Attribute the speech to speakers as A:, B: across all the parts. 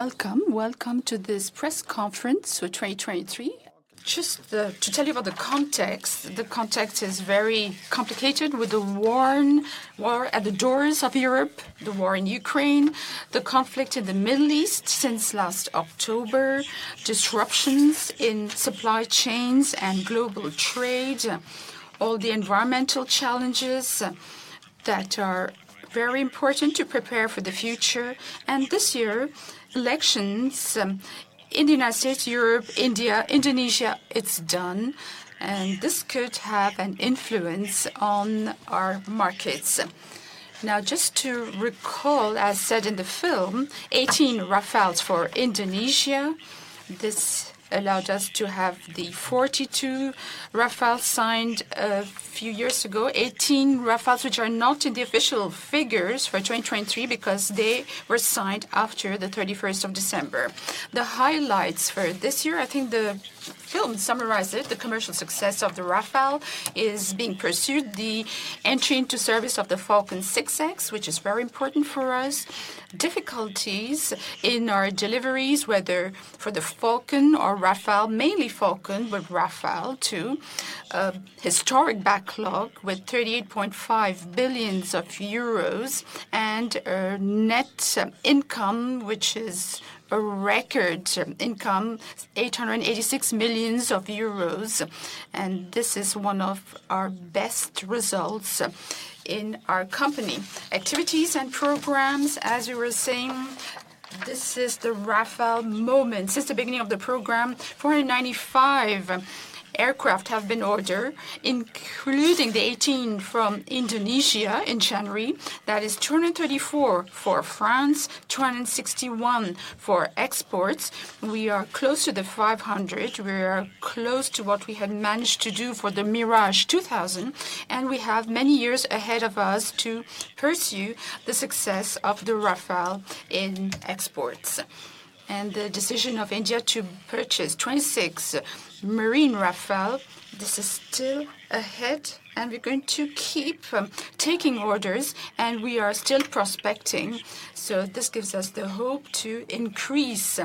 A: Welcome, welcome to this press conference for 2023. To tell you about the context, the context is very complicated with the war at the doors of Europe, the war in Ukraine, the conflict in the Middle East since last October, disruptions in supply chains and global trade, all the environmental challenges that are very important to prepare for the future. And this year, elections in the United States, Europe, India, Indonesia, it's done, and this could have an influence on our markets. Now, just to recall, as said in the film, 18 Rafales for Indonesia. This allowed us to have the 42 Rafale signed a few years ago. 18 Rafales, which are not in the official figures for 2023 because they were signed after December 31. The highlights for this year, I think the film summarized it, the commercial success of the Rafale is being pursued. The entry into service of the Falcon 6X, which is very important for us. Difficulties in our deliveries, whether for the Falcon or Rafale, mainly Falcon, but Rafale too. A historic backlog with 38.5 billion euros and a net income, which is a record income, 886 million euros, and this is one of our best results in our company. Activities and programs, as you were saying, this is the Rafale moment. Since the beginning of the program, 495 aircraft have been ordered, including the 18 from Indonesia in January. That is 234 for France, 261 for exports. We are close to the 500. We are close to what we had managed to do for the Mirage 2000, and we have many years ahead of us to pursue the success of the Rafale in exports. The decision of India to purchase 26 marine Rafale, this is still ahead, and we're going to keep taking orders, and we are still prospecting. So this gives us the hope to increase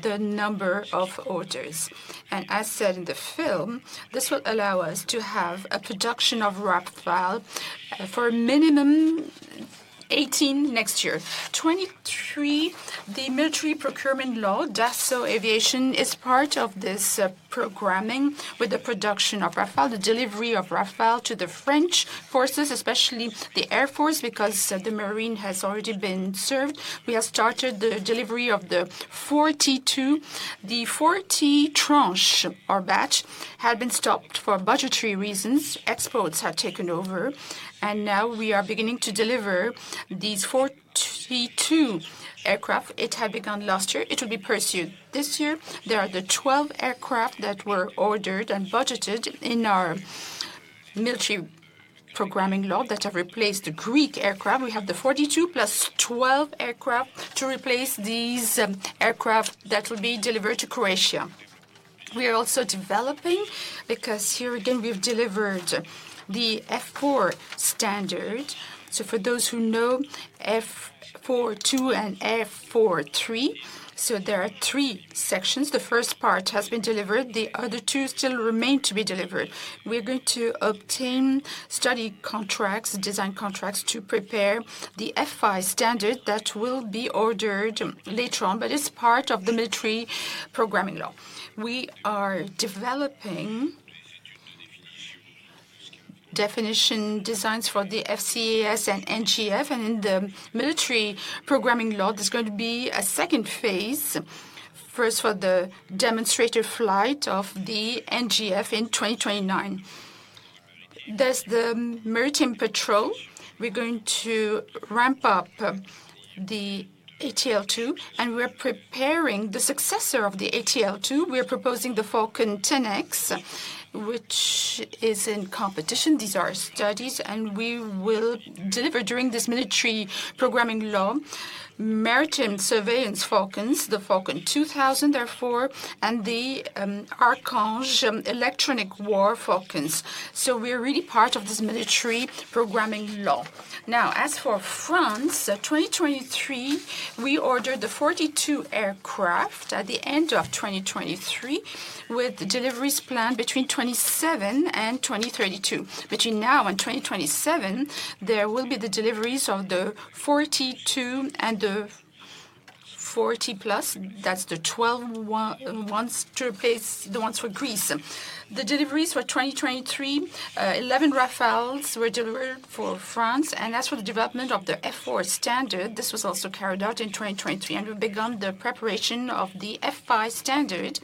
A: the number of orders. As said in the film, this will allow us to have a production of Rafale for a minimum 18 next year. 2023, the military procurement law, Dassault Aviation, is part of this programming with the production of Rafale, the delivery of Rafale to the French forces, especially the Air Force, because the marine has already been served. We have started the delivery of the 42. The 40 tranche or batch had been stopped for budgetary reasons. Exports had taken over, and now we are beginning to deliver these 42 aircraft. It had begun last year. It will be pursued this year. There are the 12 aircraft that were ordered and budgeted in our military programming law that have replaced the Greek aircraft. We have the 42 + 12 aircraft to replace these aircraft that will be delivered to Croatia. We are also developing because here again, we've delivered the F4 standard. So for those who know, F4.2 and F4.3. So there are three sections. The first part has been delivered, the other two still remain to be delivered. We're going to obtain study contracts, design contracts, to prepare the F5 standard that will be ordered later on, but it's part of the military programming law. We are developing definition designs for the FCAS and NGF, and in the military programming law, there's going to be a second phase. First, for the demonstrator flight of the NGF in 2029. There's the maritime patrol. We're going to ramp up the ATL2, and we're preparing the successor of the ATL2. We're proposing the Falcon 10X, which is in competition. These are our studies, and we will deliver during this military programming law, maritime surveillance Falcons, the Falcon 2000, therefore, and the Archange electronic war Falcons. So we are really part of this military programming law. Now, as for France, 2023, we ordered the 42 aircraft at the end of 2023, with deliveries planned between 2027 and 2032. Between now and 2027, there will be the deliveries of the 42 and the 40 plus. That's the 12 + 12s to replace the ones for Greece. The deliveries for 2023, 11 Rafales were delivered for France, and as for the development of the F4 standard, this was also carried out in 2023, and we've begun the preparation of the F5 standard,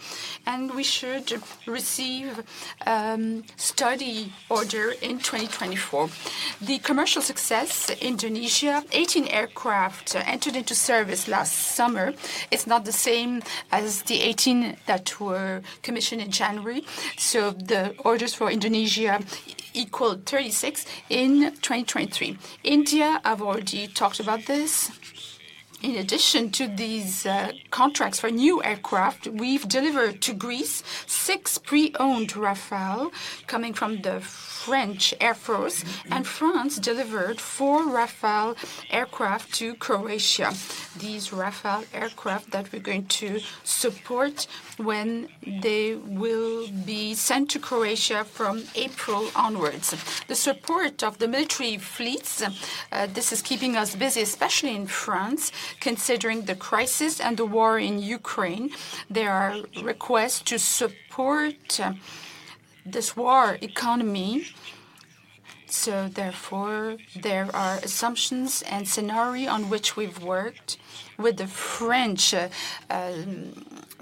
A: and we should receive study order in 2024. The commercial success, Indonesia, 18 aircraft entered into service last summer. It's not the same as the 18 that were commissioned in January, so the orders for Indonesia equaled 36 in 2023. India, I've already talked about this.... In addition to these contracts for new aircraft, we've delivered to Greece six pre-owned Rafale coming from the French Air Force, and France delivered four Rafale aircraft to Croatia. These Rafale aircraft that we're going to support when they will be sent to Croatia from April onwards. The support of the military fleets, this is keeping us busy, especially in France, considering the crisis and the war in Ukraine. There are requests to support this war economy, so therefore, there are assumptions and scenario on which we've worked with the French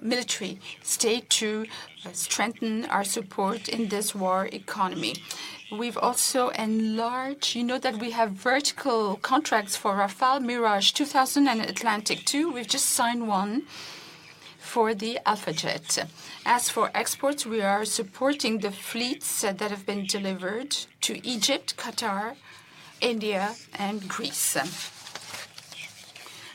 A: military staff to strengthen our support in this war economy. You know that we have vertical contracts for Rafale, Mirage 2000, and Atlantique 2. We've just signed one for the Alpha Jet. As for exports, we are supporting the fleets that have been delivered to Egypt, Qatar, India, and Greece.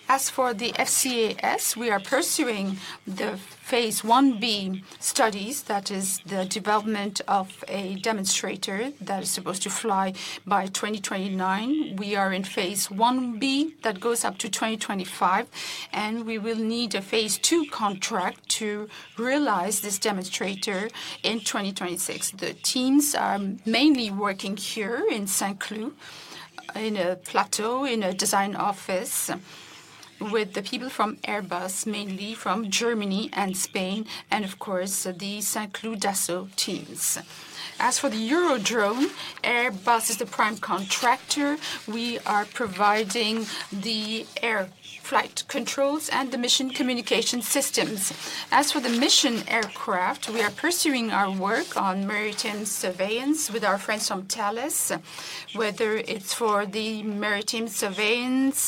A: As for the FCAS, we are pursuing the phase 1B studies, that is the development of a demonstrator that is supposed to fly by 2029. We are in phase 1B, that goes up to 2025, and we will need a phase 2 contract to realize this demonstrator in 2026. The teams are mainly working here in Saint-Cloud, in a plateau, in a design office with the people from Airbus, mainly from Germany and Spain, and of course, the Saint-Cloud Dassault teams. As for the Eurodrone, Airbus is the prime contractor. We are providing the air flight controls and the mission communication systems. As for the mission aircraft, we are pursuing our work on maritime surveillance with our friends from Thales, whether it's for the maritime surveillance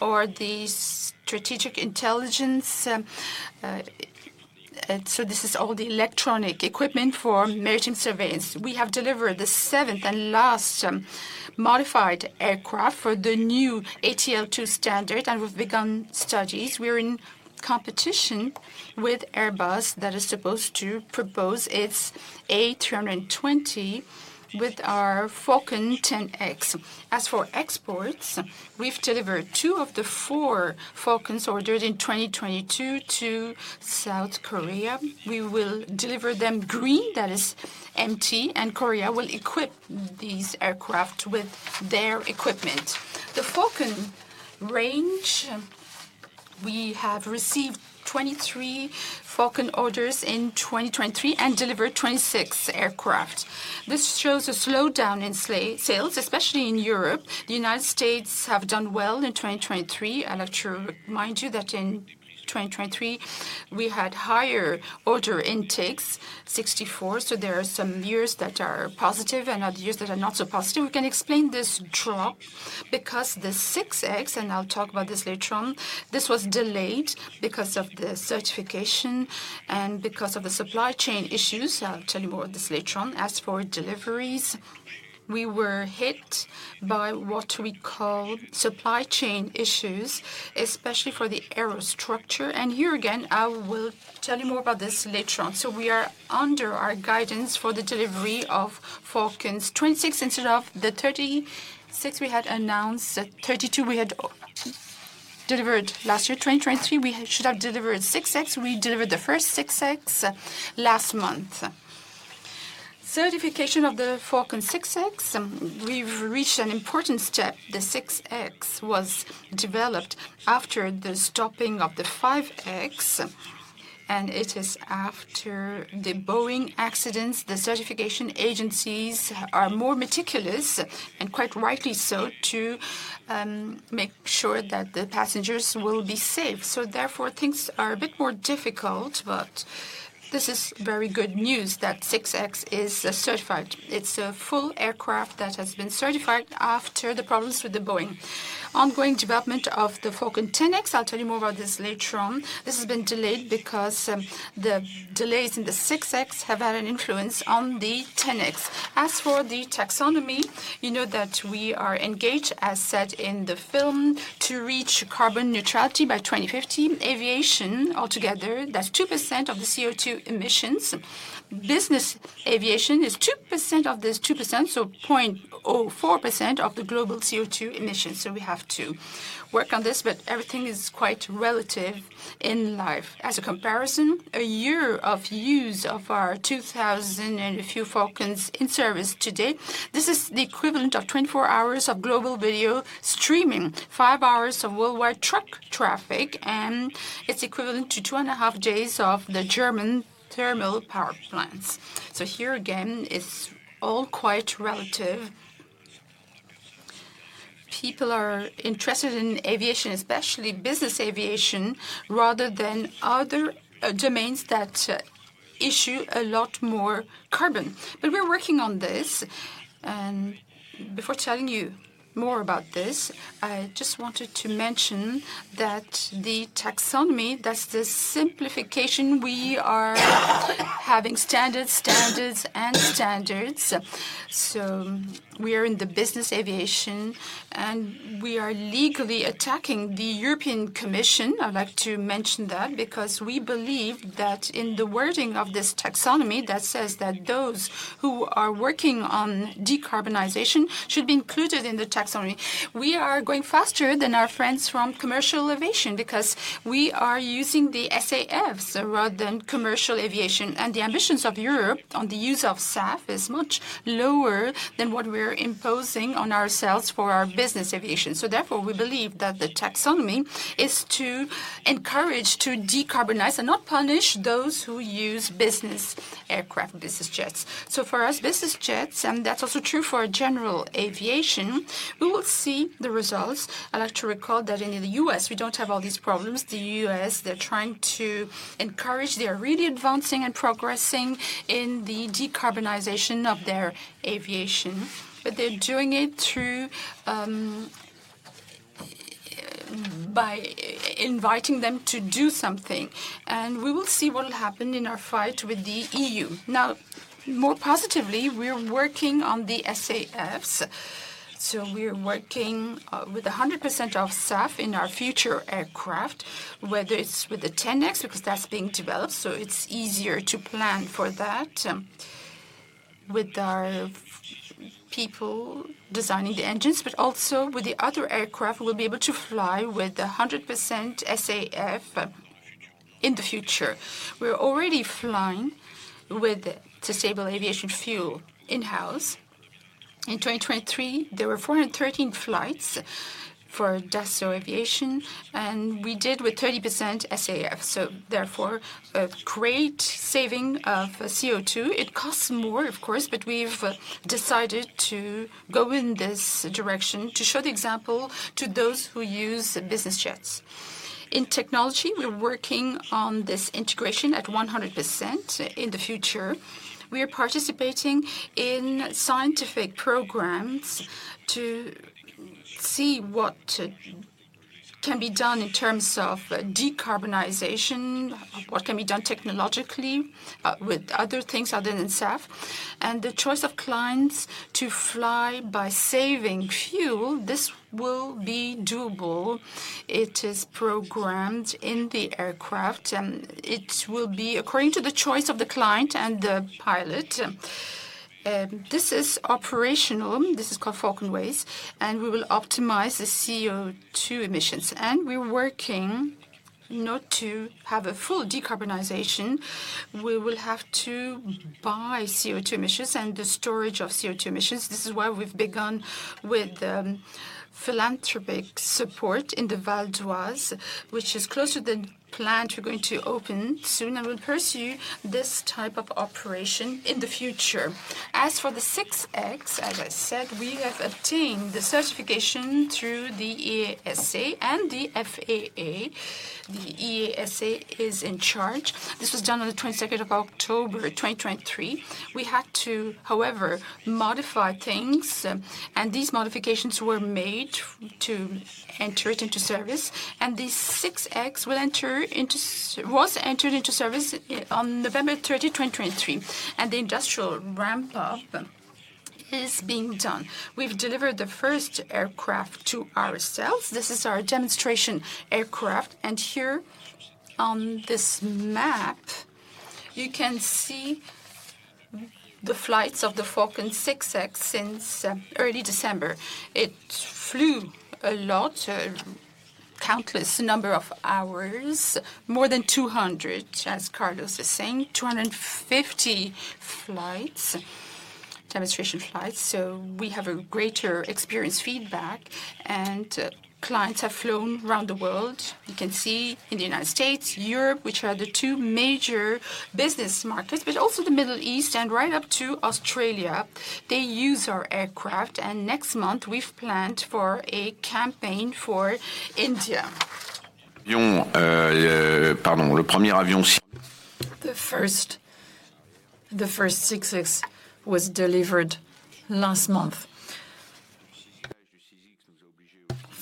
A: or the strategic intelligence. So this is all the electronic equipment for maritime surveillance. We have delivered the seventh and last modified aircraft for the new ATL2 standard, and we've begun studies. We're in competition with Airbus, that is supposed to propose its A320 with our Falcon 10X. As for exports, we've delivered two of the four Falcons ordered in 2022 to South Korea. We will deliver them green, that is empty, and Korea will equip these aircraft with their equipment. The Falcon range, we have received 23 Falcon orders in 2023, and delivered 26 aircraft. This shows a slowdown in sales, especially in Europe. The United States have done well in 2023, and I'll remind you that in 2023, we had higher order intakes, 64. So there are some years that are positive and other years that are not so positive. We can explain this drop because the 6X, and I'll talk about this later on, this was delayed because of the certification and because of the supply chain issues. I'll tell you more of this later on. As for deliveries, we were hit by what we call supply chain issues, especially for the aerostructure, and here again, I will tell you more about this later on. So we are under our guidance for the delivery of Falcons. 26 instead of the 36 we had announced. 32 we had delivered last year. 2023, we should have delivered 6X. We delivered the first 6X last month. Certification of the Falcon 6X, we've reached an important step. The 6X was developed after the stopping of the 5X, and it is after the Boeing accidents, the certification agencies are more meticulous, and quite rightly so, to make sure that the passengers will be safe. So therefore, things are a bit more difficult, but this is very good news that 6X is certified. It's a full aircraft that has been certified after the problems with the Boeing. Ongoing development of the Falcon 10X, I'll tell you more about this later on. This has been delayed because the delays in the 6X have had an influence on the 10X. As for the Taxonomy, you know that we are engaged, as said in the film, to reach carbon neutrality by 2050. Aviation altogether, that's 2% of the CO2 emissions. Business aviation is 2% of this 2%, so 0.04% of the global CO2 emissions, so we have to work on this, but everything is quite relative in life. As a comparison, a year of use of our 2,000 and a few Falcons in service today, this is the equivalent of 24 hours of global video streaming, 5 hours of worldwide truck traffic, and it's equivalent to two and a half days of the German thermal power plants. So here again, it's all quite relative. People are interested in aviation, especially business aviation, rather than other domains that issue a lot more carbon. But we're working on this, and before telling you more about this, I just wanted to mention that the Taxonomy, that's the simplification, we are having standards, standards, and standards. So we are in the business aviation, and we are legally attacking the European Commission. I'd like to mention that because we believe that in the wording of this taxonomy that says that those who are working on decarbonization should be included in the taxonomy. We are going faster than our friends from commercial aviation because we are using the SAFs rather than commercial aviation, and the ambitions of Europe on the use of SAF is much lower than what we're imposing on ourselves for our business aviation. So therefore, we believe that the taxonomy is to encourage, to decarbonize, and not punish those who use business aircraft, business jets. So for us, business jets, and that's also true for general aviation, we will see the results. I'd like to recall that in the U.S., we don't have all these problems. The U.S., they're trying to encourage. They are really advancing and progressing in the decarbonization of their aviation, but they're doing it through by inviting them to do something, and we will see what will happen in our fight with the EU. Now, more positively, we're working on the SAFs. So we're working with 100% SAF in our future aircraft, whether it's with the 10X, because that's being developed, so it's easier to plan for that, with our people designing the engines, but also with the other aircraft, we'll be able to fly with 100% SAF in the future. We're already flying with sustainable aviation fuel in-house. In 2023, there were 413 flights for Dassault Aviation, and we did with 30% SAF, so therefore, a great saving of CO2. It costs more, of course, but we've decided to go in this direction to show the example to those who use business jets. In technology, we're working on this integration at 100% in the future. We are participating in scientific programs to see what can be done in terms of decarbonization, what can be done technologically, with other things other than SAF. And the choice of clients to fly by saving fuel, this will be doable. It is programmed in the aircraft, and it will be according to the choice of the client and the pilot. This is operational. This is called FalconWays, and we will optimize the CO2 emissions, and we're working not to have a full decarbonization. We will have to buy CO2 emissions and the storage of CO2 emissions. This is why we've begun with philanthropic support in the Val-d'Oise, which is close to the plant we're going to open soon, and we'll pursue this type of operation in the future. As for the 6X, as I said, we have obtained the certification through the EASA and the FAA. The EASA is in charge. This was done on the twenty-second of October, 2023. We had to, however, modify things, and these modifications were made to enter it into service, and the 6X will enter into was entered into service on November thirty, 2023, and the industrial ramp-up is being done. We've delivered the first aircraft to ourselves. This is our demonstration aircraft, and here on this map, you can see the flights of the Falcon 6X since early December. It flew a lot, countless number of hours, more than 200, as Carlos is saying, 250 flights, demonstration flights, so we have a greater experience feedback, and clients have flown around the world. You can see in the United States, Europe, which are the two major business markets, but also the Middle East and right up to Australia. They use our aircraft, and next month, we've planned for a campaign for India.
B: Uh, pardon.
A: The first 6X was delivered last month.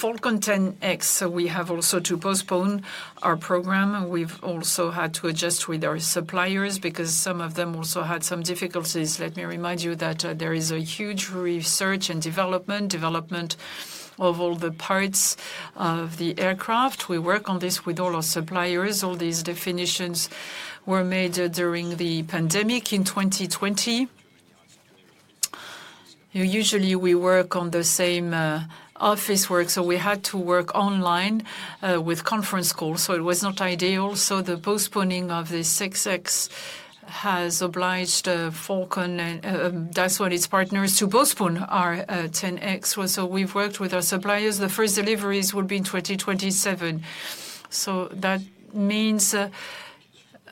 B: Falcon 10X, so we have also to postpone our program. We've also had to adjust with our suppliers because some of them also had some difficulties. Let me remind you that there is a huge research and development of all the parts of the aircraft. We work on this with all our suppliers. All these definitions were made during the pandemic in 2020. Usually, we work on the same office work, so we had to work online with conference calls, so it was not ideal. So the postponing of the 6X has obliged Falcon and Dassault its partners to postpone our 10X. Well, so we've worked with our suppliers. The first deliveries will be in 2027. So that means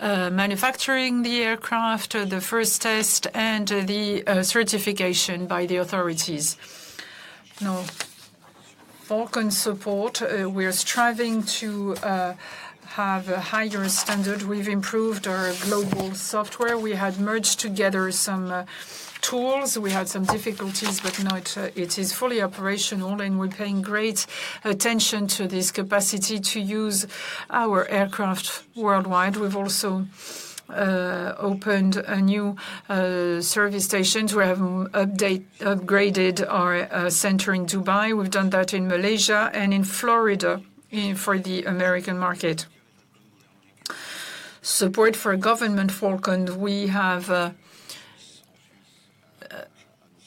B: manufacturing the aircraft, the first test, and the certification by the authorities. Now, Falcon support, we are striving to have a higher standard. We've improved our global software. We had merged together some tools. We had some difficulties, but now it is fully operational, and we're paying great attention to this capacity to use our aircraft worldwide. We've also opened a new service station. We have upgraded our center in Dubai. We've done that in Malaysia and in Florida for the American market. Support for government Falcon, we have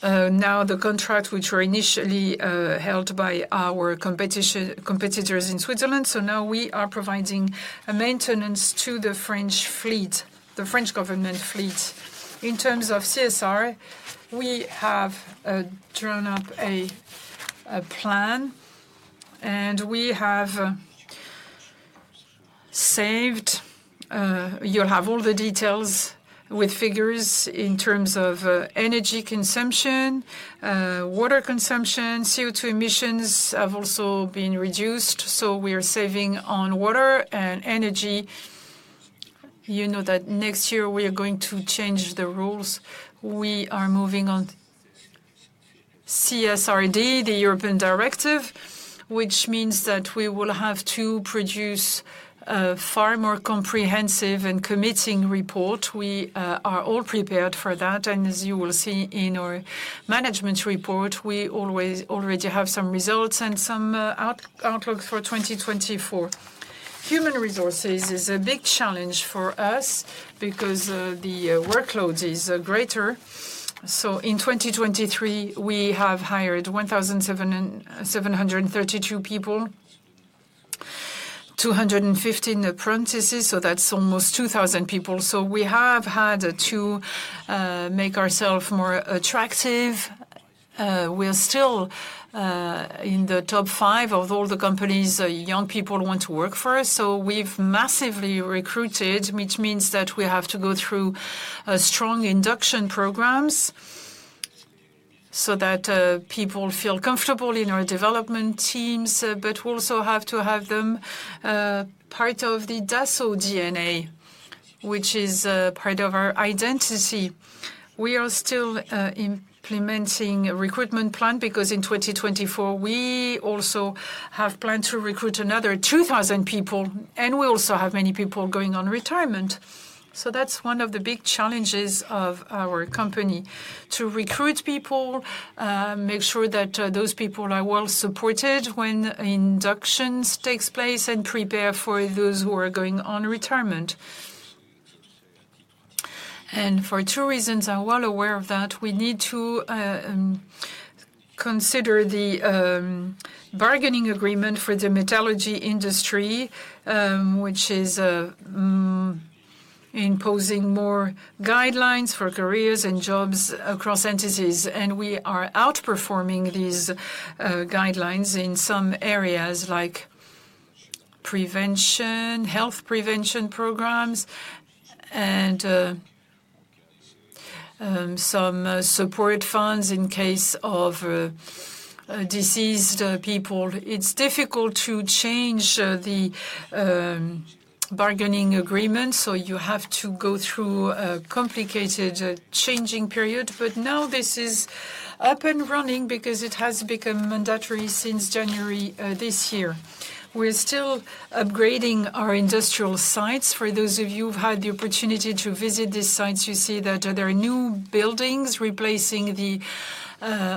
B: now the contract, which were initially held by our competitors in Switzerland, so now we are providing maintenance to the French fleet, the French government fleet. In terms of CSR, we have drawn up a plan, and we have saved. You'll have all the details with figures in terms of energy consumption, water consumption. CO2 emissions have also been reduced, so we are saving on water and energy. You know that next year we are going to change the rules. We are moving on CSRD, the European directive, which means that we will have to produce a far more comprehensive and committing report. We are all prepared for that, and as you will see in our management report, we already have some results and some outlook for 2024. Human resources is a big challenge for us because the workloads is greater. So in 2023, we have hired 1,732 people, 250 apprentices, so that's almost 2,000 people. So we have had to make ourself more attractive. We are still in the top five of all the companies young people want to work for, so we've massively recruited, which means that we have to go through strong induction programs so that people feel comfortable in our development teams, but we also have to have them part of the Dassault DNA, which is part of our identity. We are still implementing a recruitment plan because in 2024, we also have planned to recruit another 2,000 people, and we also have many people going on retirement. So that's one of the big challenges of our company, to recruit people, make sure that those people are well supported when inductions takes place, and prepare for those who are going on retirement. For two reasons, we are well aware of that. We need to consider the bargaining agreement for the metallurgy industry, which is imposing more guidelines for careers and jobs across entities. We are outperforming these guidelines in some areas like prevention, health prevention programs, and some support funds in case of diseased people. It's difficult to change the bargaining agreement, so you have to go through a complicated changing period. Now this is up and running because it has become mandatory since January this year. We're still upgrading our industrial sites. For those of you who've had the opportunity to visit these sites, you see that there are new buildings replacing the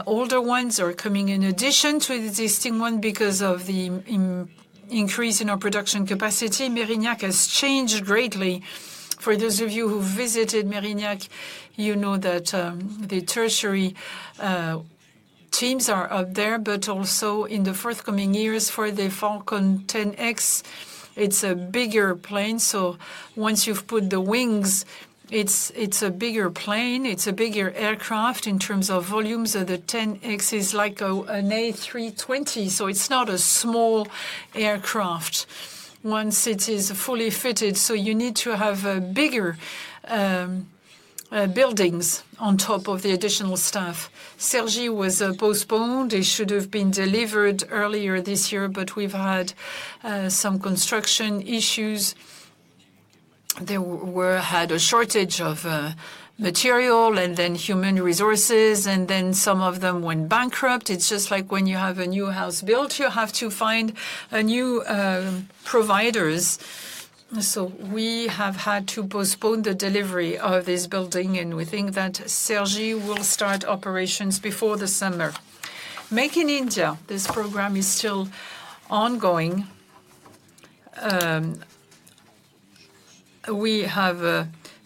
B: older ones or coming in addition to existing one because of the increase in our production capacity. Mérignac has changed greatly. For those of you who've visited Mérignac, you know that the tertiary teams are up there, but also in the forthcoming years for the Falcon 10X, it's a bigger plane, so once you've put the wings, it's a bigger plane, it's a bigger aircraft in terms of volumes. The 10X is like an A320, so it's not a small aircraft once it is fully fitted. So you need to have bigger buildings on top of the additional staff. Cergy was postponed. It should have been delivered earlier this year, but we've had some construction issues. There had a shortage of material and then human resources, and then some of them went bankrupt. It's just like when you have a new house built, you have to find new providers. So we have had to postpone the delivery of this building, and we think that Cergy will start operations before the summer. Make in India, this program is still ongoing. We have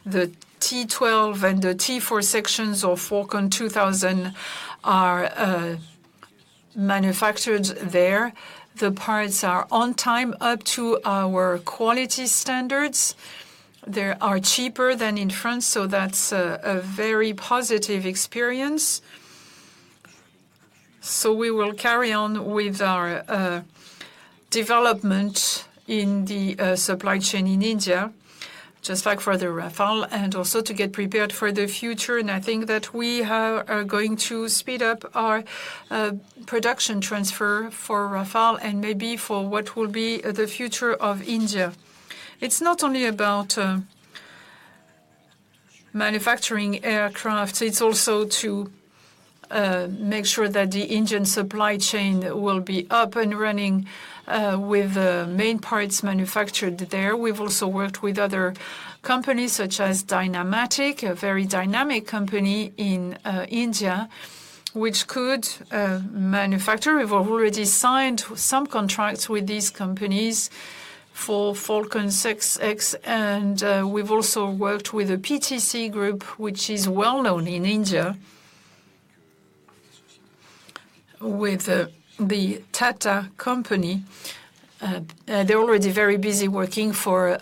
B: the T-12 and the T-4 sections of Falcon 2000 are manufactured there. The parts are on time, up to our quality standards. They are cheaper than in France, so that's a very positive experience. So we will carry on with our development in the supply chain in India, just like for the Rafale, and also to get prepared for the future. And I think that we are going to speed up our production transfer for Rafale and maybe for what will be the future of India. It's not only about manufacturing aircraft, it's also to make sure that the Indian supply chain will be up and running with the main parts manufactured there. We've also worked with other companies, such as Dynamatic, a very dynamic company in India, which could manufacture. We've already signed some contracts with these companies for Falcon 6X, and we've also worked with the PTC Group, which is well known in India, with the Tata company. They're already very busy working for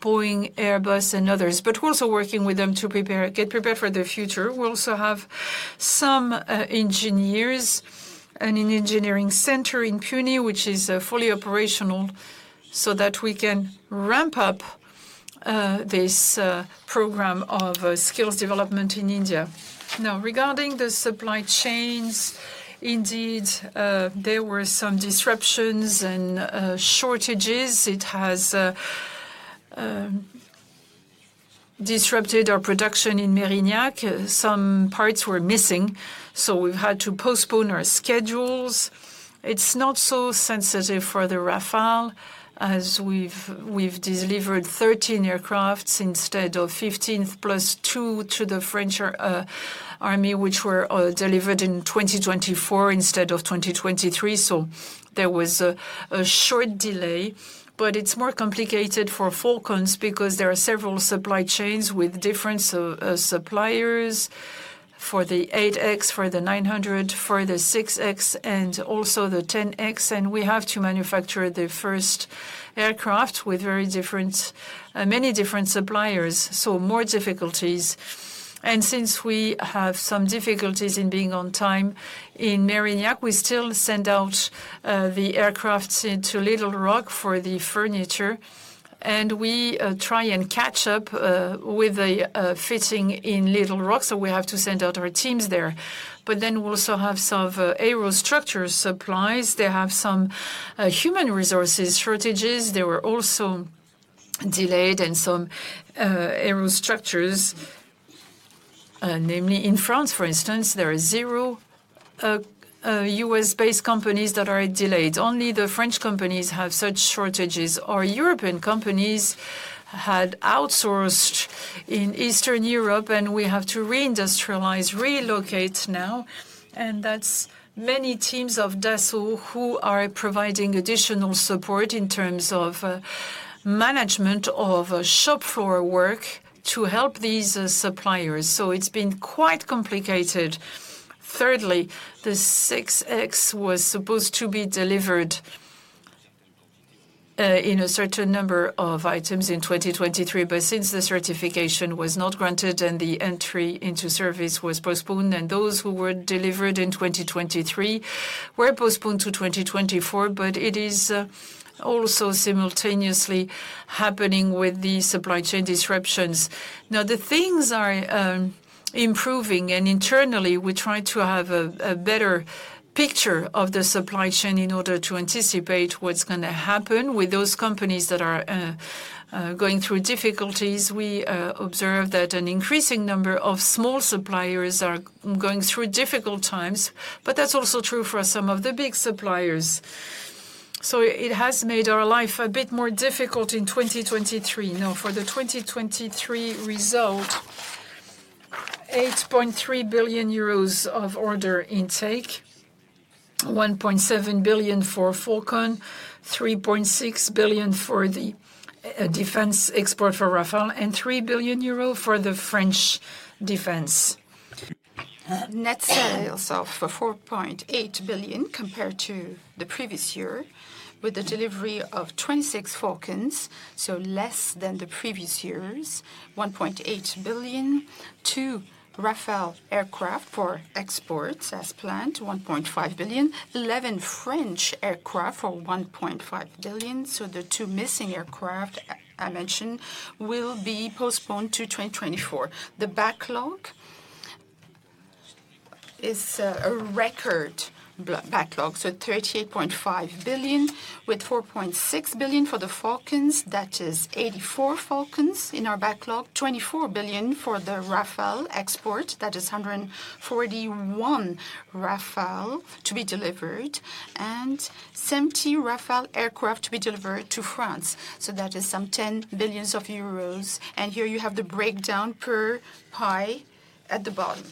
B: Boeing, Airbus, and others, but we're also working with them to get prepared for the future. We also have some engineers and an engineering center in Pune, which is fully operational, so that we can ramp up this program of skills development in India. Now, regarding the supply chains, indeed, there were some disruptions and shortages. It has disrupted our production in Mérignac. Some parts were missing, so we've had to postpone our schedules. It's not so sensitive for the Rafale, as we've delivered 13 aircraft instead of 15, plus 2 to the French Army, which were delivered in 2024 instead of 2023, so there was a short delay. But it's more complicated for Falcons because there are several supply chains with different suppliers for the 8X, for the 900, for the 6X, and also the 10X, and we have to manufacture the first aircraft with very different, many different suppliers, so more difficulties. Since we have some difficulties in being on time in Mérignac, we still send out the aircrafts into Little Rock for the furniture, and we try and catch up with the fitting in Little Rock, so we have to send out our teams there. Then we also have some aerostructure suppliers. They have some human resources shortages. They were also delayed in some aerostructures. Namely, in France, for instance, there are zero U.S.-based companies that are delayed. Only the French companies have such shortages. Our European companies had outsourced in Eastern Europe, and we have to reindustrialize, relocate now, and that's many teams of Dassault who are providing additional support in terms of management of shop floor work to help these suppliers. It's been quite complicated. Thirdly, the 6X was supposed to be delivered in a certain number of items in 2023, but since the certification was not granted and the entry into service was postponed, and those who were delivered in 2023 were postponed to 2024, but it is also simultaneously happening with the supply chain disruptions. Now, the things are improving, and internally, we try to have a better picture of the supply chain in order to anticipate what's gonna happen with those companies that are going through difficulties. We observe that an increasing number of small suppliers are going through difficult times, but that's also true for some of the big suppliers. So it has made our life a bit more difficult in 2023. Now, for the 2023 results, 8.3 billion euros of order intake, 1.7 billion for Falcon, 3.6 billion for the defense export for Rafale, and 3 billion euros for the French defense. Net sales of 4.8 billion compared to the previous year, with the delivery of 26 Falcons, so less than the previous years, 1.8 billion, 2 Rafale aircraft for exports as planned, 1.5 billion, 11 French aircraft for 1.5 billion, so the 2 missing aircraft I mentioned will be postponed to 2024. The backlog is a record backlog, so 38.5 billion, with 4.6 billion for the Falcons. That is 84 Falcons in our backlog, 24 billion for the Rafale export. That is 141 Rafale to be delivered, and 70 Rafale aircraft to be delivered to France, so that is some 10 billion euros, and here you have the breakdown per pie at the bottom.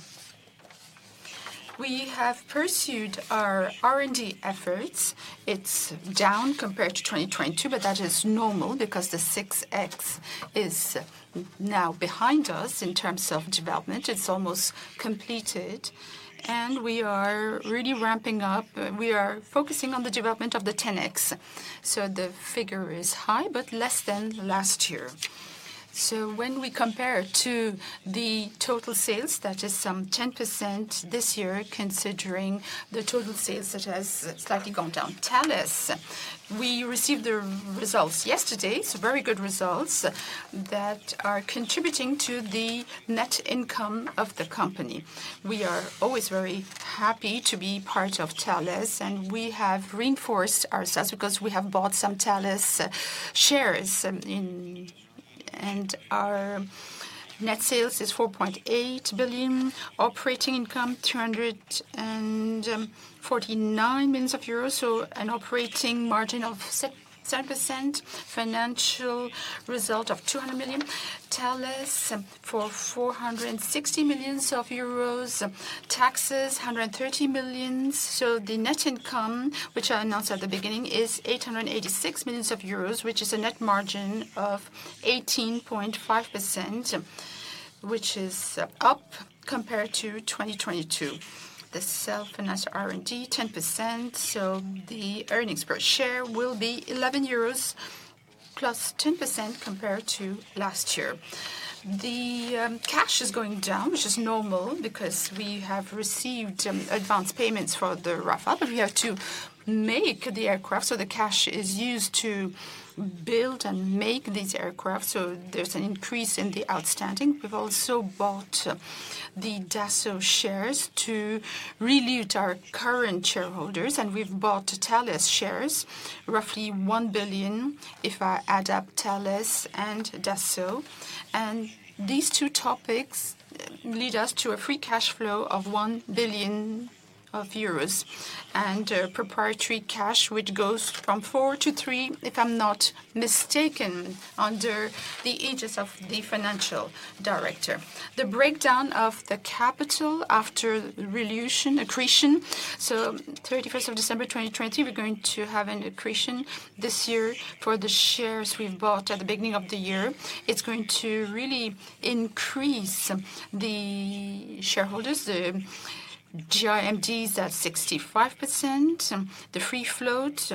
B: We have pursued our R&D efforts. It's down compared to 2022, but that is normal because the 6X is now behind us in terms of development. It's almost completed, and we are really ramping up. We are focusing on the development of the 10X, so the figure is high, but less than last year. ...
A: So when we compare to the total sales, that is some 10% this year, considering the total sales, it has slightly gone down. Thales, we received the results yesterday. So very good results that are contributing to the net income of the company. We are always very happy to be part of Thales, and we have reinforced ourselves because we have bought some Thales shares, and our net sales is 4.8 billion, operating income, 249 million euros, so an operating margin of 7%, financial result of 200 million. Thales for 460 million euros, taxes, 130 million euros. So the net income, which I announced at the beginning, is 886 million euros, which is a net margin of 18.5%, which is up compared to 2022. The self-financed R&D, 10%, so the earnings per share will be 11 euros, +10% compared to last year. The cash is going down, which is normal because we have received advanced payments for the Rafale, but we have to make the aircraft, so the cash is used to build and make these aircraft, so there's an increase in the outstanding. We've also bought the Dassault shares to dilute our current shareholders, and we've bought Thales shares, roughly 1 billion, if I add up Thales and Dassault. These two topics lead us to a free cash flow of 1 billion euros and a net cash, which goes from 4 billion to 3 billion, if I'm not mistaken, as announced by the financial director. The breakdown of the capital after dilution, accretion. As of December 31, 2020, we're going to have an accretion this year for the shares we've bought at the beginning of the year. It's going to really increase the shareholders. The GIMD is at 65%, the free float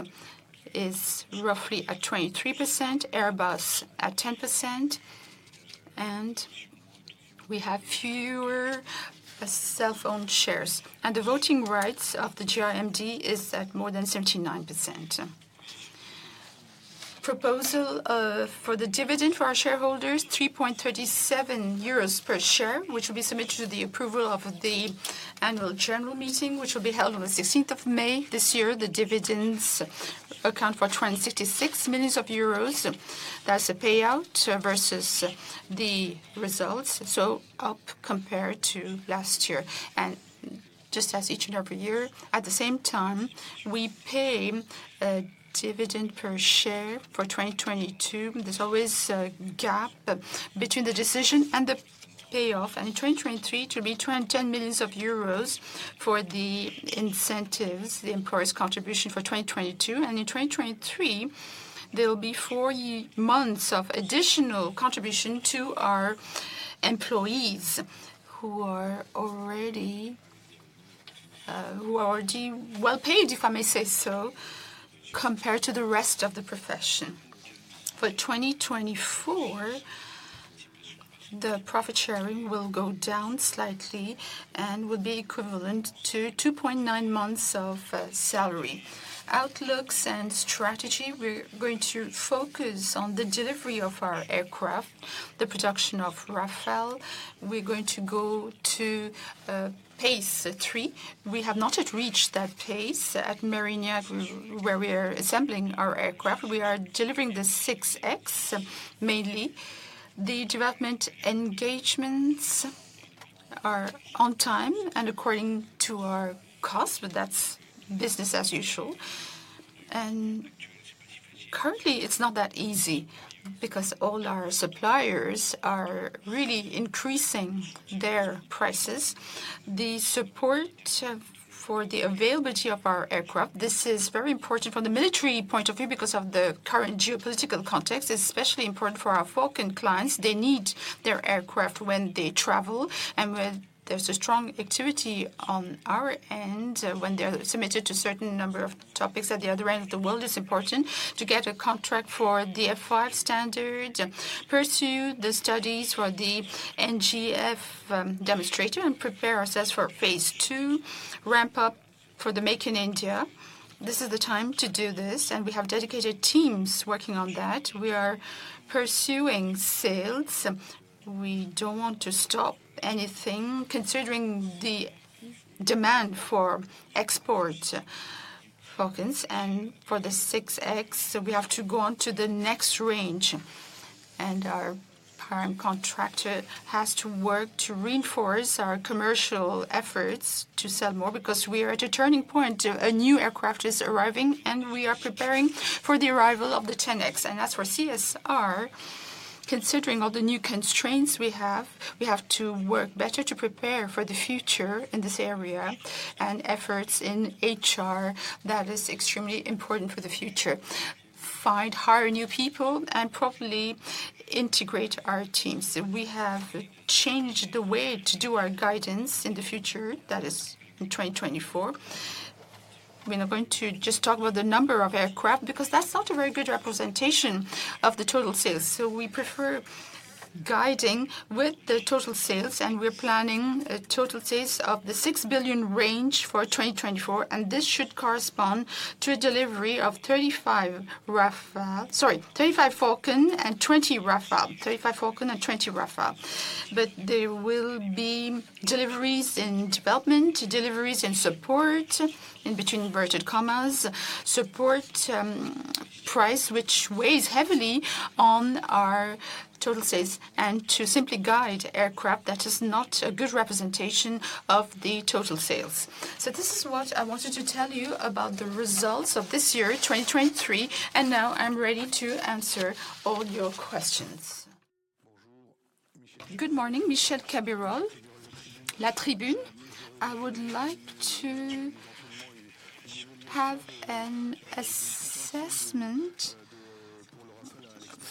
A: is roughly at 23%, Airbus at 10%, and we have fewer self-owned shares. The voting rights of the GIMD is at more than 79%. Proposal for the dividend for our shareholders, 3.37 euros per share, which will be submitted to the approval of the annual general meeting, which will be held on the sixteenth of May this year. The dividends account for 26 million euros. That's a payout versus the results, so up compared to last year. And just as each and every year, at the same time, we pay a dividend per share for 2022. There's always a gap between the decision and the payoff, and in 2023, it will be 20 million euros for the incentives, the employee's contribution for 2022. And in 2023, there will be four months of additional contribution to our employees who are already well paid, if I may say so, compared to the rest of the profession. For 2024, the profit sharing will go down slightly and will be equivalent to 2.9 months of salary. Outlooks and strategy, we're going to focus on the delivery of our aircraft, the production of Rafale. We're going to go to pace three. We have not yet reached that pace at Mérignac, where we are assembling our aircraft. We are delivering the 6X, mainly. The development engagements are on time and according to our cost, but that's business as usual. Currently, it's not that easy because all our suppliers are really increasing their prices. The support for the availability of our aircraft, this is very important from the military point of view, because of the current geopolitical context. It's especially important for our Falcon clients. They need their aircraft when they travel and when there's a strong activity on our end, when they're submitted to a certain number of topics at the other end of the world, it's important to get a contract for the F5 standard, pursue the studies for the NGF, demonstrator, and prepare ourselves for phase two, ramp up for the Make in India. This is the time to do this, and we have dedicated teams working on that. We are pursuing sales. We don't want to stop anything considering the demand for export Falcons and for the 6X, we have to go on to the next range, and our prime contractor has to work to reinforce our commercial efforts to sell more because we are at a turning point. A new aircraft is arriving, and we are preparing for the arrival of the 10X. As for CSR, considering all the new constraints we have, we have to work better to prepare for the future in this area and efforts in HR, that is extremely important for the future. Find, hire new people and properly integrate our teams. We have changed the way to do our guidance in the future, that is in 2024. We're not going to just talk about the number of aircraft, because that's not a very good representation of the total sales. So we prefer guiding with the total sales, and we're planning total sales of the 6 billion range for 2024, and this should correspond to a delivery of 35 Rafale - sorry, 35 Falcon and 20 Rafale. 35 Falcon and 20 Rafale. But there will be deliveries in development, deliveries in support, in between inverted commas, support, price, which weighs heavily on our total sales.
C: To simply guide aircraft, that is not a good representation of the total sales. So this is what I wanted to tell you about the results of this year, 2023, and now I'm ready to answer all your questions. Good morning, Michel Cabirol, La Tribune. I would like to have an assessment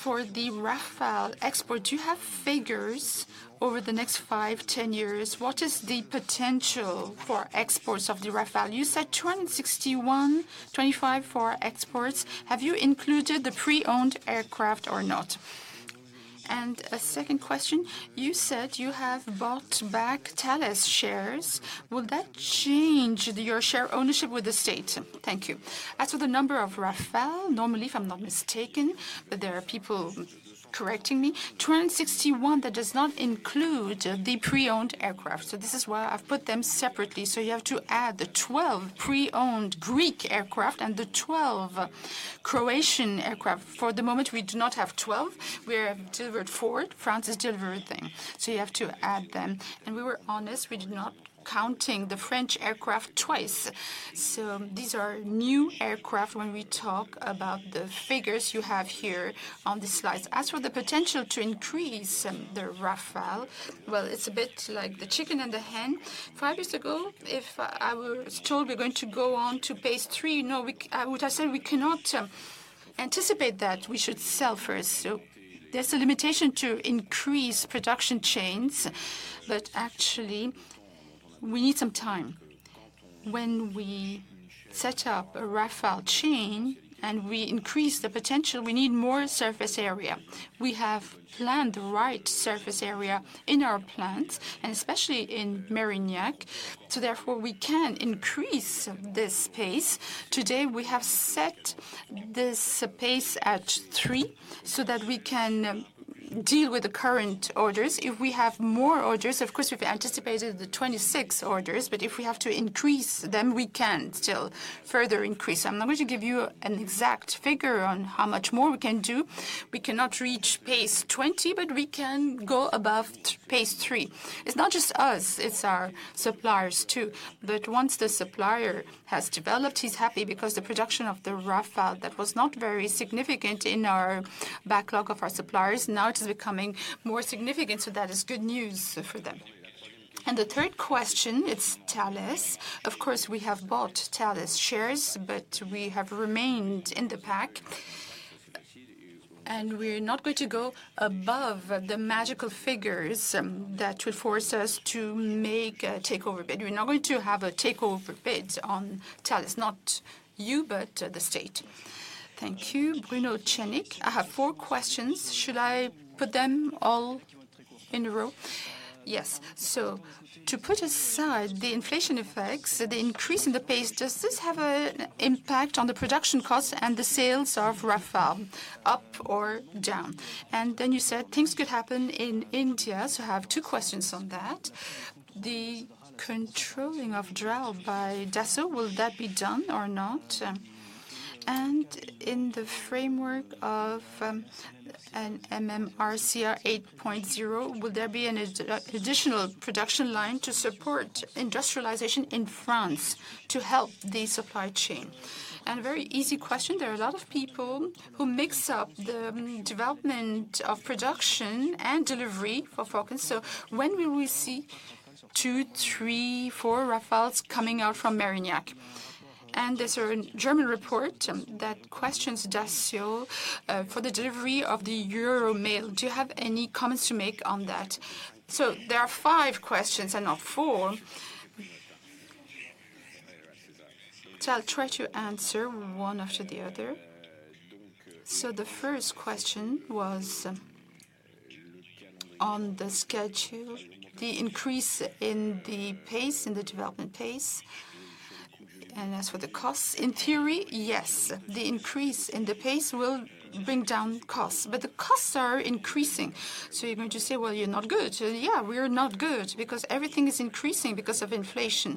C: for the Rafale export. Do you have figures over the next five, 10 years? What is the potential for exports of the Rafale? You said 2061, 25 for exports. Have you included the pre-owned aircraft or not? And a second question: You said you have bought back Thales shares. Will that change your share ownership with the state? Thank you. As for the number of Rafale, normally, if I'm not mistaken, but there are people correcting me, 2061, that does not include the pre-owned aircraft. So this is why I've put them separately.
A: So you have to add the 12 pre-owned Greek aircraft and the 12 Croatian aircraft. For the moment, we do not have 12. We have delivered 4. France has delivered them, so you have to add them. And we were honest, we did not counting the French aircraft twice. So these are new aircraft when we talk about the figures you have here on the slides. As for the potential to increase the Rafale, well, it's a bit like the chicken and the hen. 5 years ago, if I was told we're going to go on to pace three, no, I would have said we cannot anticipate that. We should sell first. So there's a limitation to increase production chains, but actually, we need some time. When we set up a Rafale chain and we increase the potential, we need more surface area. We have planned the right surface area in our plants, and especially in Mérignac. So therefore, we can increase this pace. Today, we have set this pace at 3 so that we can deal with the current orders. If we have more orders, of course, we've anticipated the 26 orders, but if we have to increase them, we can still further increase. I'm not going to give you an exact figure on how much more we can do. We cannot reach pace 20, but we can go above pace 3. It's not just us, it's our suppliers, too. But once the supplier has developed, he's happy because the production of the Rafale that was not very significant in our backlog of our suppliers, now it is becoming more significant, so that is good news for them. And the third question, it's Thales. Of course, we have bought Thales shares, but we have remained in the pack, and we're not going to go above the magical figures, that will force us to make a takeover bid. We're not going to have a takeover bid on Thales, not you, but the state. Thank you. Bruno Trévidic, I have four questions. Should I put them all in a row? Yes. So to put aside the inflation effects, the increase in the pace, does this have a impact on the production costs and the sales of Rafale, up or down? And then you said things could happen in India, so I have two questions on that. The controlling of DRAL by Dassault, will that be done or not? And in the framework of an MMRCA 8.0, will there be an additional production line to support industrialization in France to help the supply chain? And a very easy question, there are a lot of people who mix up the development of production and delivery for Falcon. So when will we see 2, 3, 4 Rafales coming out from Mérignac? And there's a German report that questions Dassault for the delivery of the Eurodrone. Do you have any comments to make on that? So there are 5 questions and not 4. So I'll try to answer one after the other. So the first question was on the schedule, the increase in the pace, in the development pace, and as for the costs, in theory, yes, the increase in the pace will bring down costs, but the costs are increasing. So you're going to say, "Well, you're not good." So yeah, we're not good because everything is increasing because of inflation.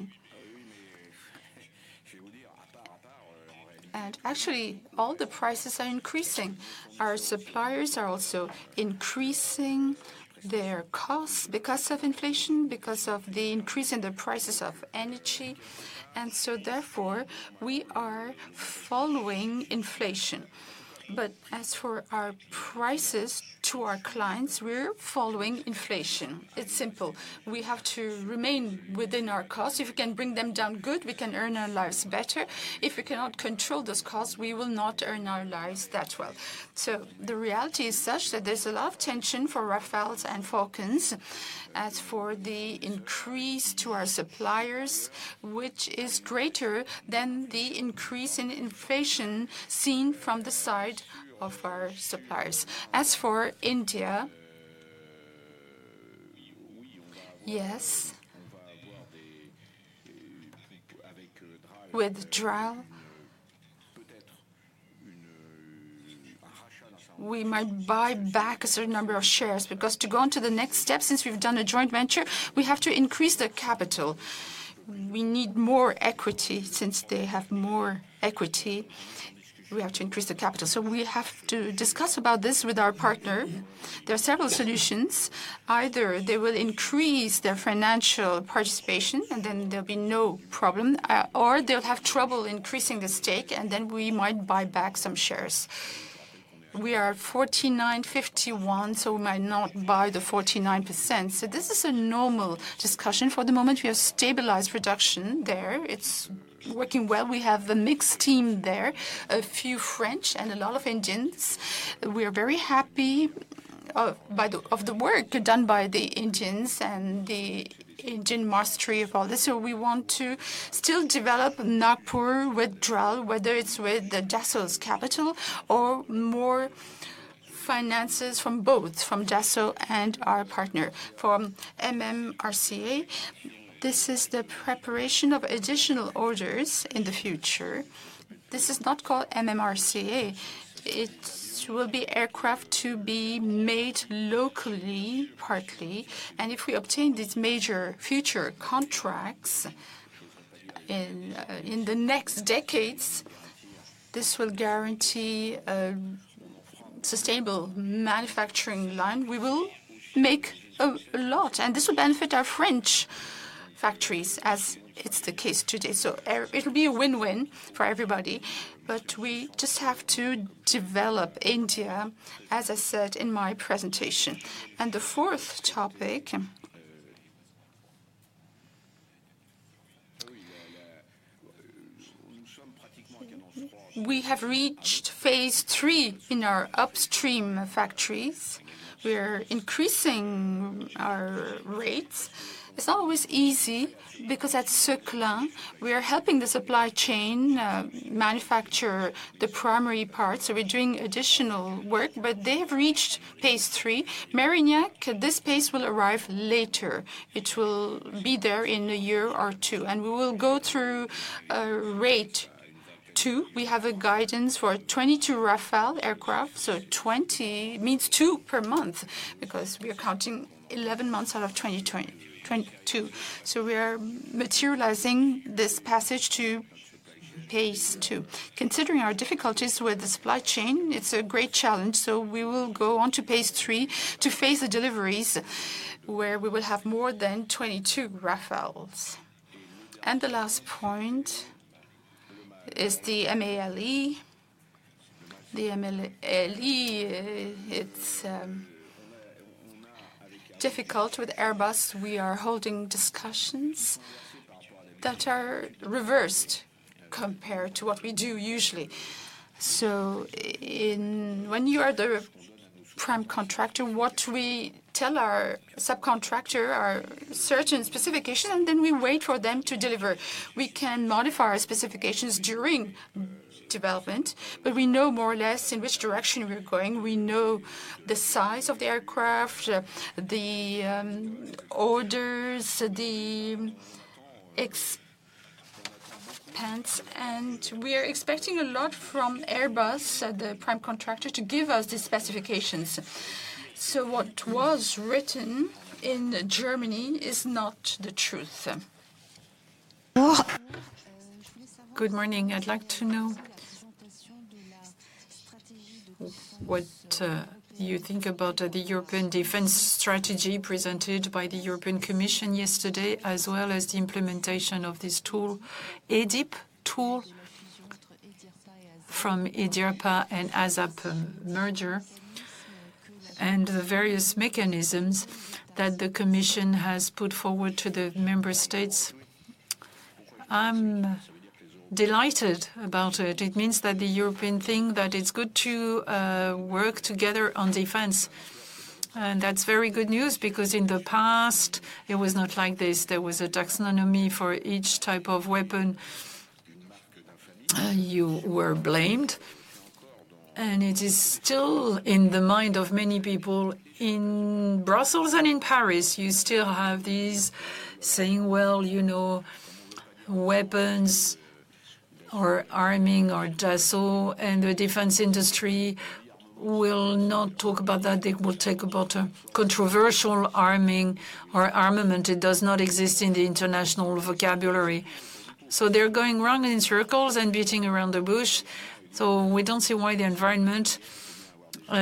A: And actually, all the prices are increasing. Our suppliers are also increasing their costs because of inflation, because of the increase in the prices of energy, and so therefore, we are following inflation. But as for our prices to our clients, we're following inflation. It's simple. We have to remain within our costs. If we can bring them down, good, we can earn our lives better. If we cannot control those costs, we will not earn our lives that well. So the reality is such that there's a lot of tension for Rafales and Falcons as for the increase to our suppliers, which is greater than the increase in inflation seen from the side of our suppliers. As for India, yes, with DRAL, we might buy back a certain number of shares, because to go on to the next step, since we've done a joint venture, we have to increase the capital. We need more equity. Since they have more equity, we have to increase the capital. So we have to discuss about this with our partner. There are several solutions. Either they will increase their financial participation, and then there'll be no problem, or they'll have trouble increasing the stake, and then we might buy back some shares. We are 49-51, so we might not buy the 49%. So this is a normal discussion. For the moment, we have stabilized production there. It's working well. We have a mixed team there, a few French and a lot of Indians. We are very happy by the work done by the Indians and the Indian mastery of all this. So we want to still develop Nagpur with DRAL, whether it's with the Dassault's capital or more finances from both, from Dassault and our partner. From MMRCA, this is the preparation of additional orders in the future. This is not called MMRCA. It will be aircraft to be made locally, partly, and if we obtain these major future contracts in the next decades, this will guarantee a sustainable manufacturing line. We will make a lot, and this will benefit our French factories as it's the case today. So it'll be a win-win for everybody, but we just have to develop India, as I said in my presentation. And the fourth topic, we have reached phase three in our upstream factories. We're increasing our rates. It's not always easy because at Seclin, we are helping the supply chain manufacture the primary parts, so we're doing additional work, but they've reached phase three. Mérignac, this phase will arrive later. It will be there in a year or 2, and we will go through a rate 2. We have a guidance for 22 Rafale aircraft, so 20 means 2 per month because we are counting 11 months out of 2022. So we are materializing this passage to phase 2. Considering our difficulties with the supply chain, it's a great challenge, so we will go on to phase 3 to phase the deliveries, where we will have more than 22 Rafales. And the last point is the MALE. The MALE, it's difficult with Airbus. We are holding discussions that are reversed compared to what we do usually. So when you are the prime contractor, what we tell our subcontractor are certain specifications, and then we wait for them to deliver. We can modify our specifications during development, but we know more or less in which direction we are going. We know the size of the aircraft, the orders, the expenses, and we are expecting a lot from Airbus, the prime contractor, to give us the specifications. So what was written in Germany is not the truth.
B: Good morning. I'd like to know what you think about the European defense strategy presented by the European Commission yesterday, as well as the implementation of this tool, EDIP tool, from EDIRPA and ASAP merger, and the various mechanisms that the Commission has put forward to the member states?
A: I'm delighted about it. It means that the Europeans think that it's good to work together on defense, and that's very good news because in the past, it was not like this. There was a taxonomy for each type of weapon. You were blamed, and it is still in the mind of many people in Brussels and in Paris. You still have these people saying: "Well, you know, weapons or arming or Dassault and the defense industry will not talk about that. They will talk about a controversial arming or armament." It does not exist in the international vocabulary. So they're going round in circles and beating around the bush, so we don't see why the environment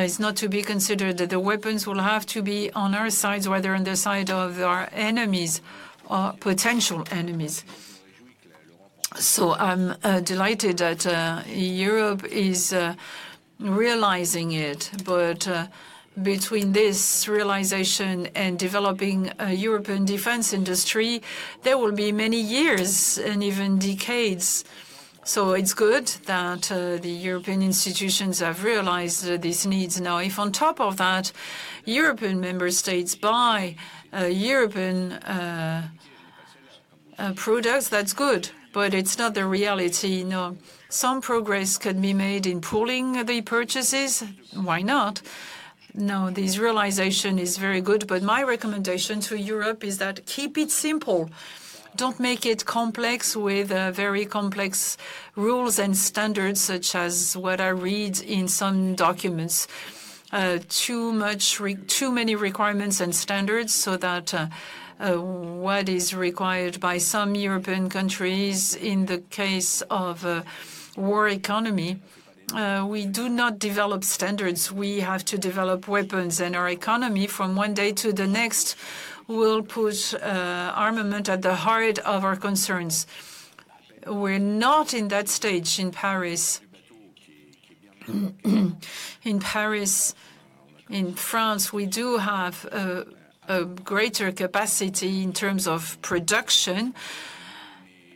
A: is not to be considered, that the weapons will have to be on our side rather than the side of our enemies or potential enemies. So I'm delighted that Europe is realizing it, but between this realization and developing a European defense industry, there will be many years and even decades. So it's good that the European institutions have realized these needs. Now, if on top of that, European member states buy European products, that's good, but it's not the reality now. Some progress can be made in pooling the purchases. Why not?...
B: No, this realization is very good, but my recommendation to Europe is that keep it simple. Don't make it complex with very complex rules and standards, such as what I read in some documents. Too many requirements and standards, so that what is required by some European countries in the case of war economy, we do not develop standards. We have to develop weapons, and our economy from one day to the next will push armament at the heart of our concerns. We're not in that stage in Paris. In Paris, in France, we do have a greater capacity in terms of production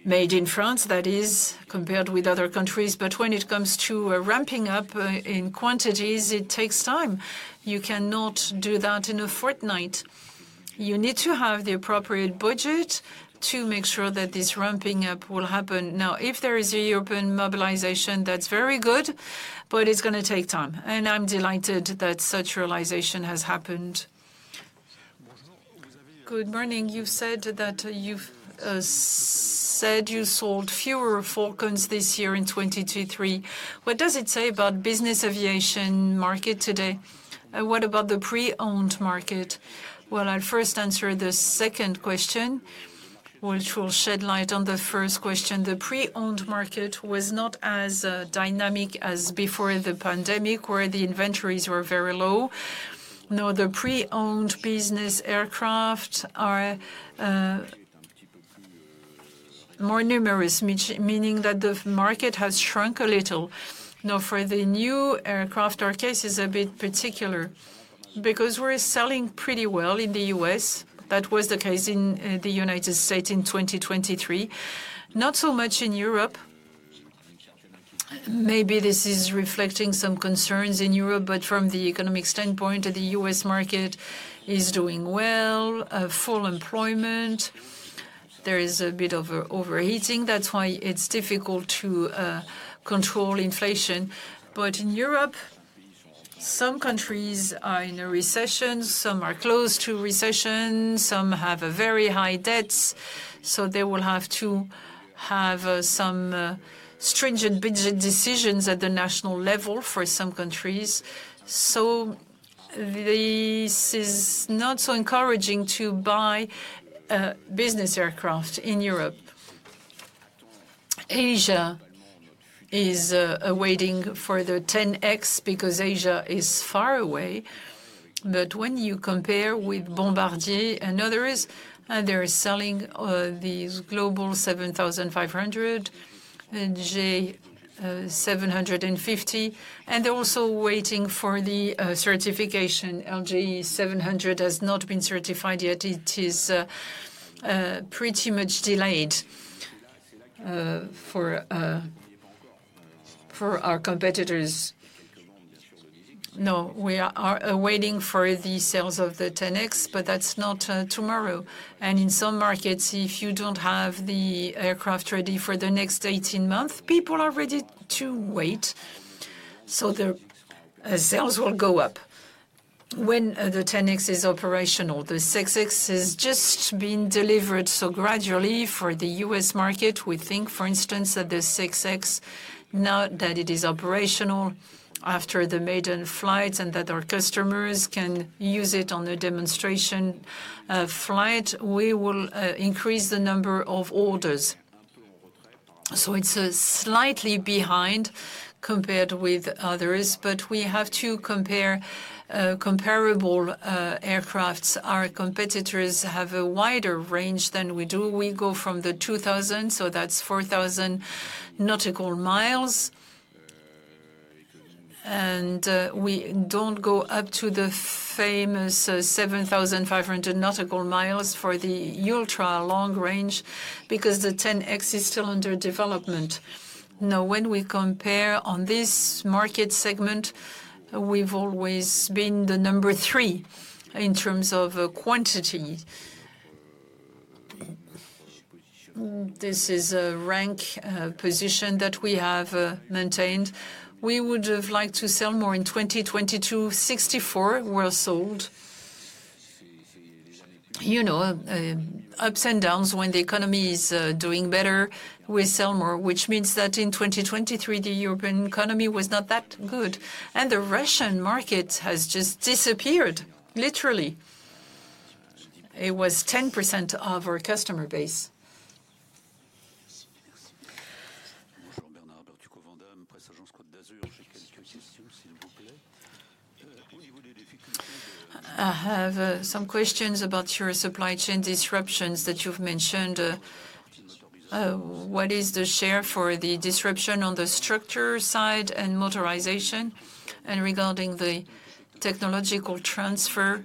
B: made in France that is compared with other countries, but when it comes to ramping up in quantities, it takes time. You cannot do that in a fortnight. You need to have the appropriate budget to make sure that this ramping up will happen. Now, if there is a European mobilization, that's very good, but it's gonna take time, and I'm delighted that such realization has happened. Good morning. You've said that, you've said you sold fewer Falcons this year in 2023. What does it say about business aviation market today? What about the pre-owned market? Well, I'll first answer the second question, which will shed light on the first question. The pre-owned market was not as dynamic as before the pandemic, where the inventories were very low. Now, the pre-owned business aircraft are more numerous, which, meaning that the market has shrunk a little. Now, for the new aircraft, our case is a bit particular because we're selling pretty well in the U.S. That was the case in the United States in 2023, not so much in Europe. Maybe this is reflecting some concerns in Europe, but from the economic standpoint, the U.S. market is doing well, full employment. There is a bit of overheating. That's why it's difficult to control inflation. But in Europe, some countries are in a recession, some are close to recession, some have a very high debts, so they will have to have some stringent budget decisions at the national level for some countries. So this is not so encouraging to buy business aircraft in Europe. Asia is awaiting for the 10X because Asia is far away. But when you compare with Bombardier and others, they're selling these Global 7500 and G650, and they're also waiting for the certification. G700 has not been certified yet. It is pretty much delayed for our competitors. No, we are awaiting for the sales of the 10X, but that's not tomorrow, and in some markets, if you don't have the aircraft ready for the next 18 months, people are ready to wait, so the sales will go up when the 10X is operational. The Falcon 6X has just been delivered, so gradually for the U.S. market, we think, for instance, that the Falcon 6X, now that it is operational after the maiden flights and that our customers can use it on a demonstration flight, we will increase the number of orders. So it's slightly behind compared with others, but we have to compare comparable aircraft. Our competitors have a wider range than we do. We go from the Falcon 2000, so that's 4,000 nautical miles. And we don't go up to the famous 7,500 nautical miles for the ultra-long range because the Falcon 10X is still under development. Now, when we compare on this market segment, we've always been number three in terms of quantity. This is a rank position that we have maintained. We would have liked to sell more in 2022, 64 were sold. You know, ups and downs. When the economy is doing better, we sell more, which means that in 2023, the European economy was not that good, and the Russian market has just disappeared, literally. It was 10% of our customer base. I have some questions about your supply chain disruptions that you've mentioned. What is the share for the disruption on the structure side and motorization? And regarding the technological transfer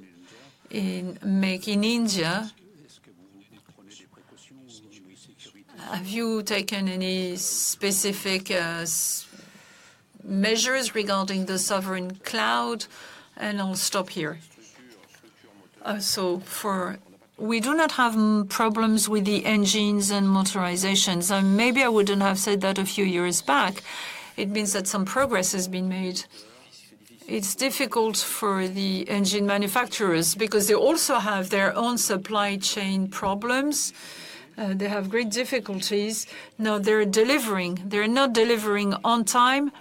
B: in Make in India, have you taken any specific measures regarding the sovereign cloud? And I'll stop here. So, we do not have problems with the engines and motorizations, and maybe I wouldn't have said that a few years back. It means that some progress has been made. It's difficult for the engine manufacturers, because they also have their own supply chain problems. They have great difficulties. Now they're delivering. They're not delivering on time,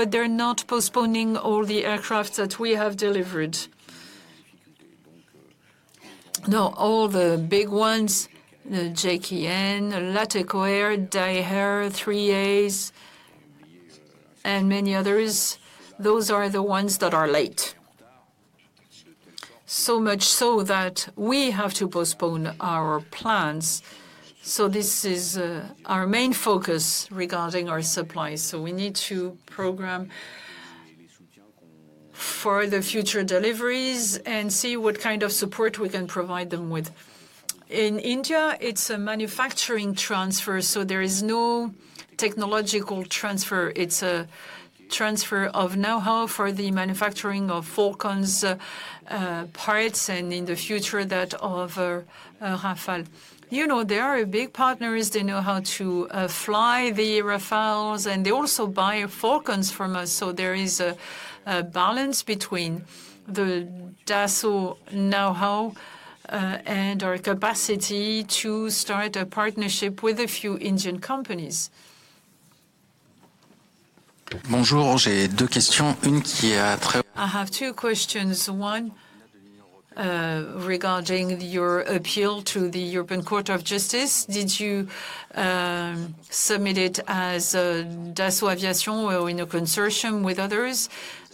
B: but they're not postponing all the aircraft that we have delivered. Now, all the big ones, the GKN, Latécoère, Daher, AAA, and many others, those are the ones that are late. So much so that we have to postpone our plans, so this is our main focus regarding our supply. So we need to program for the future deliveries and see what kind of support we can provide them with. In India, it's a manufacturing transfer, so there is no technological transfer. It's a transfer of know-how for the manufacturing of Falcons, parts, and in the future, that of Rafale. You know, they are a big partners. They know how to fly the Rafales, and they also buy Falcons from us, so there is a balance between the Dassault know-how and our capacity to start a partnership with a few Indian companies. I have two questions. One, regarding your appeal to the European Court of Justice. Did you submit it as Dassault Aviation or in a consortium with others?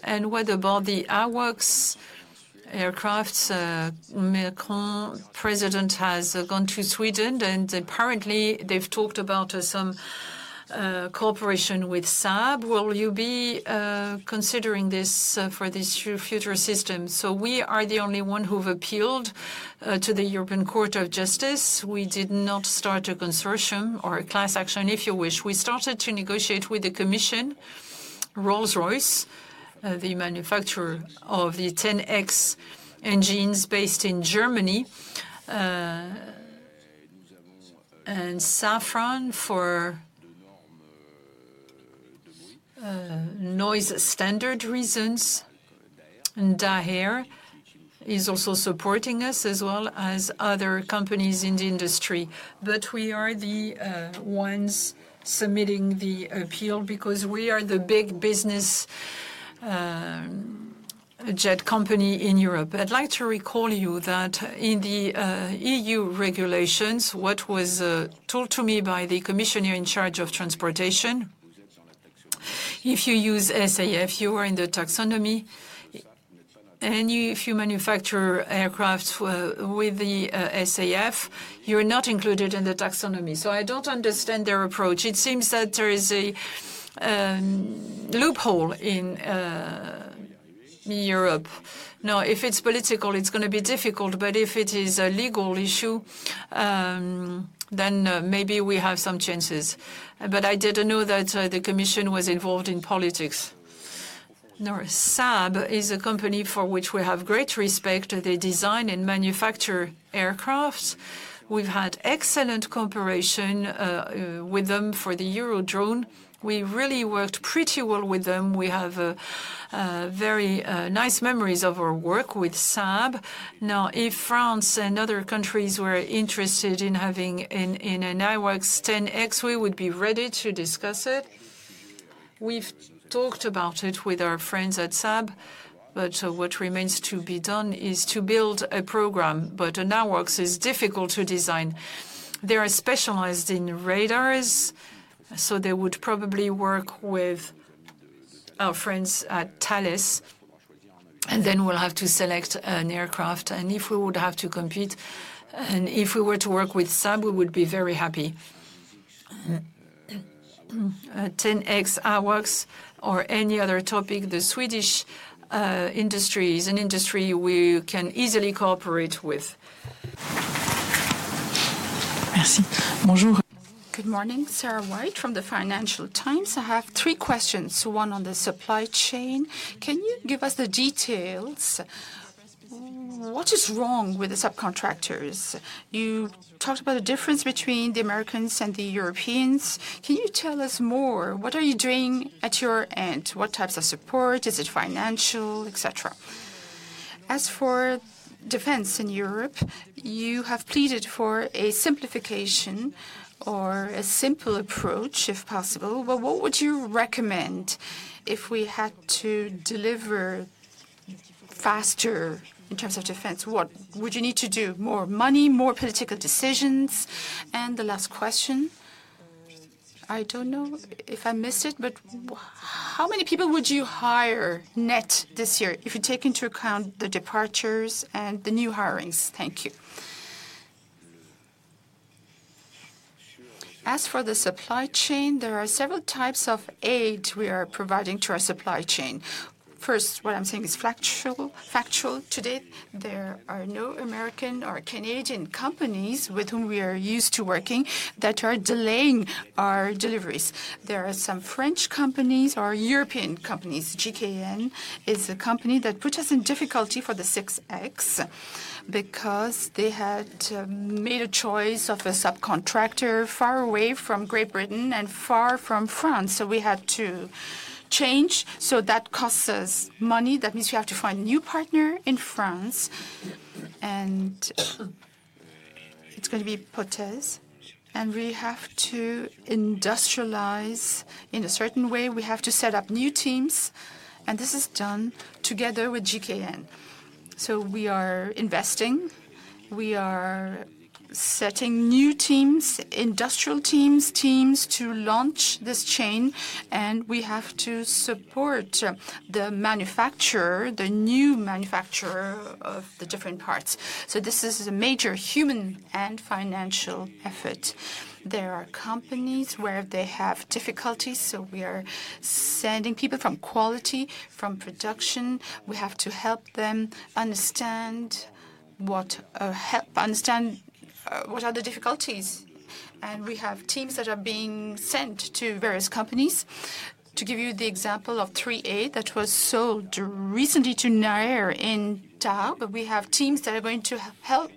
B: And what about the AWACS aircraft? President Macron has gone to Sweden, and apparently they've talked about some cooperation with Saab. Will you be considering this for this future system? So we are the only one who've appealed to the European Court of Justice. We did not start a consortium or a class action, if you wish. We started to negotiate with the Commission, Rolls-Royce, the manufacturer of the 10X engines based in Germany, and Safran for noise standard reasons. And Daher is also supporting us, as well as other companies in the industry. But we are the ones submitting the appeal, because we are the big business jet company in Europe. I'd like to recall you that in the EU regulations, what was told to me by the commissioner in charge of transportation, if you use SAF, you are in the Taxonomy. And if you manufacture aircraft with the SAF, you are not included in the Taxonomy. So I don't understand their approach. It seems that there is a loophole in Europe. Now, if it's political, it's going to be difficult, but if it is a legal issue, then, maybe we have some chances. But I didn't know that, the commission was involved in politics. Now, Saab is a company for which we have great respect. They design and manufacture aircraft. We've had excellent cooperation, with them for the Eurodrone. We really worked pretty well with them. We have very nice memories of our work with Saab. Now, if France and other countries were interested in having an AWACS 10X, we would be ready to discuss it. We've talked about it with our friends at Saab, but what remains to be done is to build a program. But an AWACS is difficult to design. They are specialized in radars, so they would probably work with our friends at Thales, and then we'll have to select an aircraft. If we would have to compete and if we were to work with Saab, we would be very happy. 10X AWACS or any other topic, the Swedish industry is an industry we can easily cooperate with. Merci. Bonjour.
A: Good morning, Sarah White from the Financial Times. I have three questions, one on the supply chain. Can you give us the details? What is wrong with the subcontractors? You talked about the difference between the Americans and the Europeans. Can you tell us more? What are you doing at your end? What types of support? Is it financial, et cetera? As for defense in Europe, you have pleaded for a simplification or a simple approach, if possible. But what would you recommend if we had to deliver faster in terms of defense? What would you need to do? More money, more political decisions? And the last question, I don't know if I missed it, but how many people would you hire net this year, if you take into account the departures and the new hirings? Thank you.
B: As for the supply chain, there are several types of aid we are providing to our supply chain....
A: First, what I'm saying is factual, factual. To date, there are no American or Canadian companies with whom we are used to working that are delaying our deliveries. There are some French companies or European companies. GKN is a company that put us in difficulty for the 6X because they had made a choice of a subcontractor far away from Great Britain and far from France, so we had to change. So that costs us money. That means we have to find a new partner in France, and it's going to be Potez, and we have to industrialize in a certain way. We have to set up new teams, and this is done together with GKN. So we are investing, we are setting new teams, industrial teams, teams to launch this chain, and we have to support the manufacturer, the new manufacturer of the different parts. So this is a major human and financial effort. There are companies where they have difficulties, so we are sending people from quality, from production. We have to help them understand what the difficulties are. And we have teams that are being sent to various companies. To give you the example of 3A, that was sold recently to Daher, we have teams that are going to help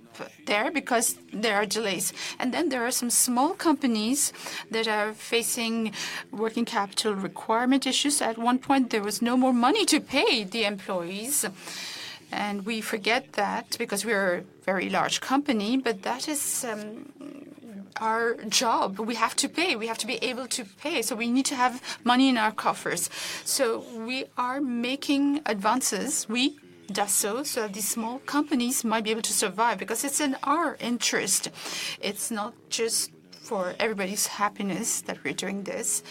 A: there because there are delays. And then there are some small companies that are facing working capital requirement issues. At one point, there was no more money to pay the employees, and we forget that because we are a very large company, but that is our job. We have to pay. We have to be able to pay, so we need to have money in our coffers. So we are making advances. We, Dassault, so these small companies might be able to survive because it's in our interest. It's not just for everybody's happiness that we're doing this,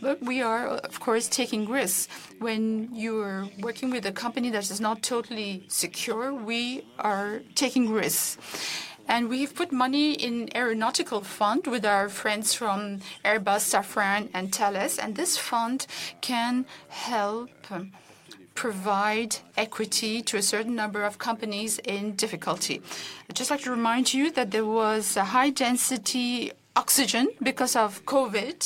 A: but we are, of course, taking risks. When you're working with a company that is not totally secure, we are taking risks. And we've put money in aeronautical fund with our friends from Airbus, Safran, and Thales, and this fund can help provide equity to a certain number of companies in difficulty. I'd just like to remind you that there was a high density oxygen because of COVID.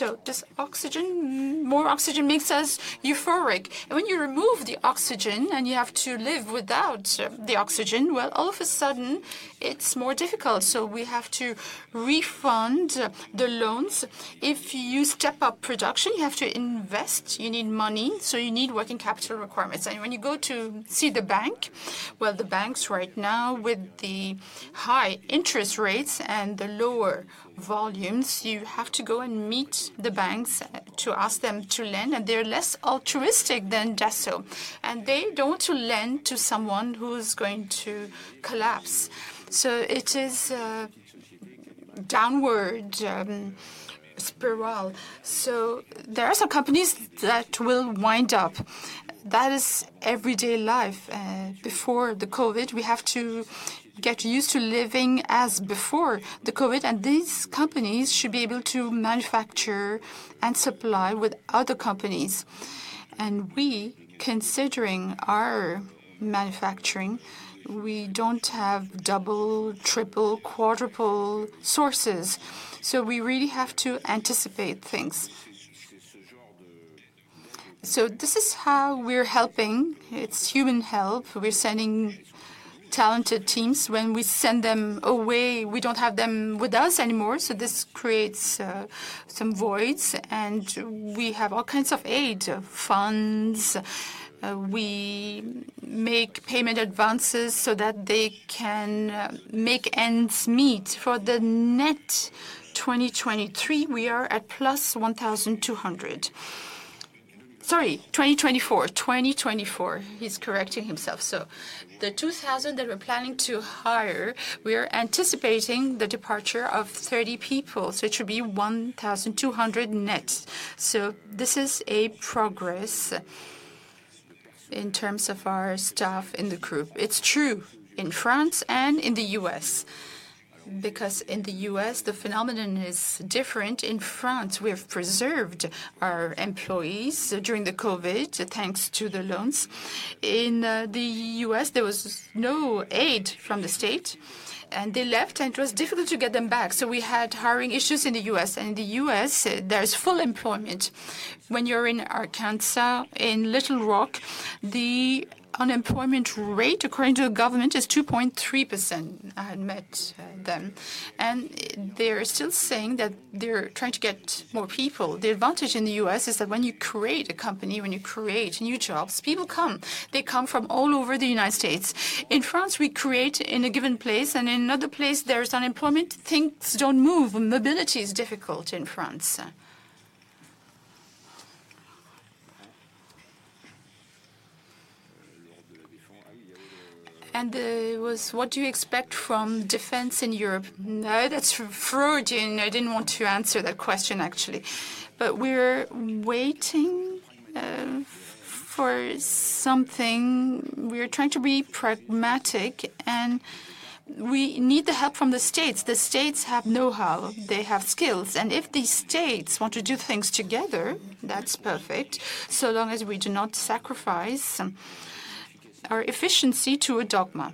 A: So just oxygen, more oxygen makes us euphoric, and when you remove the oxygen, and you have to live without the oxygen, well, all of a sudden, it's more difficult. So we have to refund the loans. If you step up production, you have to invest. You need money, so you need working capital requirements. When you go to see the bank, well, the banks right now, with the high interest rates and the lower volumes, you have to go and meet the banks to ask them to lend, and they're less altruistic than Dassault, and they don't want to lend to someone who's going to collapse. So it is a downward spiral. So there are some companies that will wind up. That is everyday life. Before the COVID, we have to get used to living as before the COVID, and these companies should be able to manufacture and supply with other companies. And we, considering our manufacturing, we don't have double, triple, quadruple sources, so we really have to anticipate things. So this is how we're helping. It's human help. We're sending talented teams. When we send them away, we don't have them with us anymore, so this creates some voids, and we have all kinds of aid, funds. We make payment advances so that they can make ends meet. For the net 2023, we are at +1,200. Sorry, 2024. 2024. He's correcting himself. So the 2,000 that we're planning to hire, we are anticipating the departure of 30 people, so it should be 1,200 net. So this is a progress in terms of our staff in the group. It's true in France and in the U.S., because in the U.S., the phenomenon is different. In France, we have preserved our employees during the COVID, thanks to the loans. In the US, there was no aid from the state, and they left, and it was difficult to get them back, so we had hiring issues in the US. And in the US, there is full employment. When you're in Arkansas, in Little Rock, the unemployment rate, according to the government, is 2.3%. I had met them, and they're still saying that they're trying to get more people. The advantage in the US is that when you create a company, when you create new jobs, people come. They come from all over the United States. In France, we create in a given place, and in another place, there is unemployment. Things don't move, and mobility is difficult in France. And was what do you expect from defense in Europe? No, that's Freudian. I didn't want to answer that question, actually. But we're waiting... For something, we are trying to be pragmatic, and we need the help from the states. The states have know-how, they have skills, and if these states want to do things together, that's perfect, so long as we do not sacrifice our efficiency to a dogma.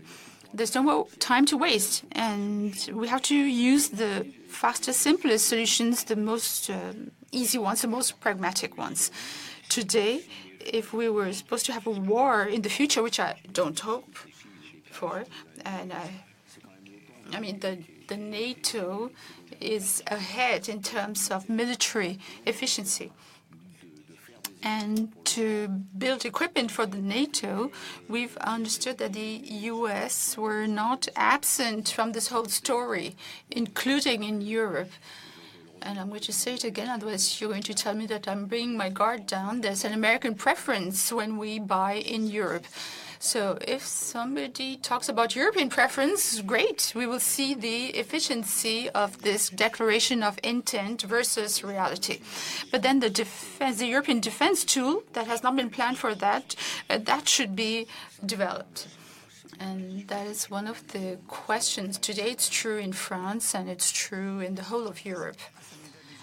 A: There's no more time to waste, and we have to use the fastest, simplest solutions, the most easy ones, the most pragmatic ones. Today, if we were supposed to have a war in the future, which I don't hope for, and I mean, the NATO is ahead in terms of military efficiency. And to build equipment for the NATO, we've understood that the U.S. were not absent from this whole story, including in Europe. And I'm going to say it again, otherwise, you're going to tell me that I'm bringing my guard down. There's an American preference when we buy in Europe. So if somebody talks about European preference, great! We will see the efficiency of this declaration of intent versus reality. But then the defense, the European defense tool that has not been planned for that, that should be developed. And that is one of the questions. Today, it's true in France, and it's true in the whole of Europe.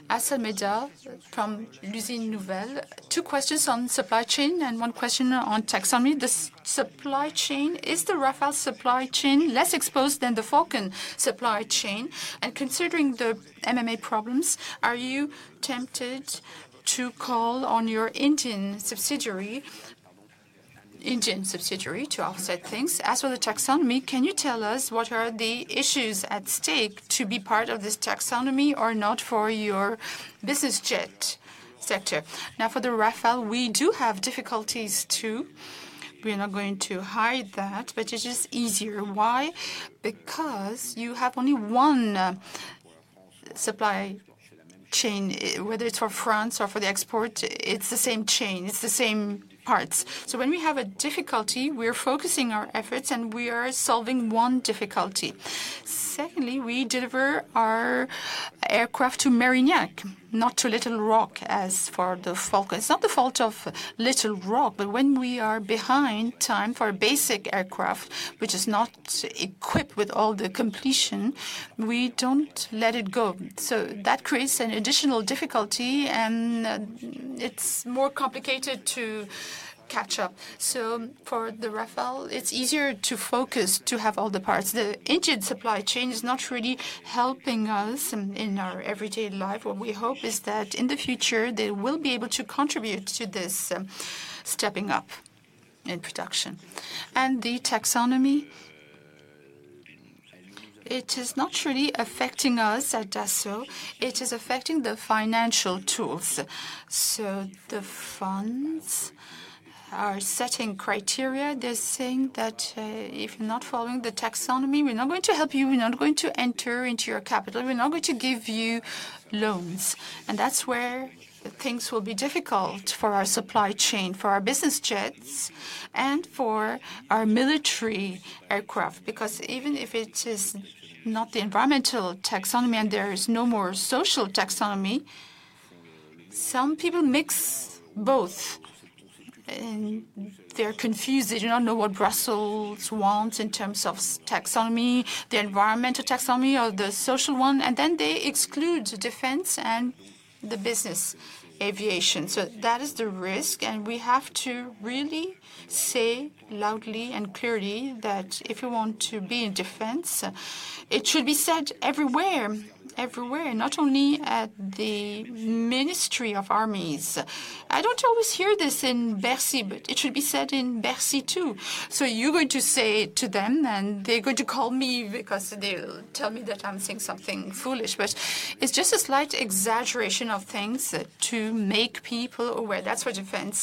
A: Hassan Meddah from L'Usine Nouvelle, two questions on supply chain and one question on taxonomy. The supply chain, is the Rafale supply chain less exposed than the Falcon supply chain? And considering the M&A problems, are you tempted to call on your engine subsidiary, engine subsidiary to offset things? As for the taxonomy, can you tell us what are the issues at stake to be part of this taxonomy or not for your business jet sector? Now, for the Rafale, we do have difficulties, too. We are not going to hide that, but it is easier. Why? Because you have only one supply chain. Whether it's for France or for the export, it's the same chain, it's the same parts. So when we have a difficulty, we're focusing our efforts, and we are solving one difficulty. Secondly, we deliver our aircraft to Mérignac, not to Little Rock, as for the Falcon. It's not the fault of Little Rock, but when we are behind time for a basic aircraft, which is not equipped with all the completion, we don't let it go. So that creates an additional difficulty, and it's more complicated to catch up. So for the Rafale, it's easier to focus, to have all the parts. The engine supply chain is not really helping us in our everyday life. What we hope is that in the future, they will be able to contribute to this, stepping up in production. And the taxonomy, it is not really affecting us at Dassault. It is affecting the financial tools. So the funds are setting criteria. They're saying that, "If you're not following the taxonomy, we're not going to help you. We're not going to enter into your capital. We're not going to give you loans." And that's where things will be difficult for our supply chain, for our business jets and for our military aircraft, because even if it is not the environmental taxonomy and there is no more social taxonomy, some people mix both, and they're confused. They do not know what Brussels wants in terms of social taxonomy, the environmental taxonomy or the social one, and then they exclude the defense and the business aviation. So that is the risk, and we have to really say loudly and clearly that if you want to be in defense, it should be said everywhere, everywhere, not only at the Ministry of Armies. I don't always hear this in Bercy, but it should be said in Bercy, too. So you're going to say it to them, and they're going to call me because they'll tell me that I'm saying something foolish. But it's just a slight exaggeration of things to make people aware. That's for defense,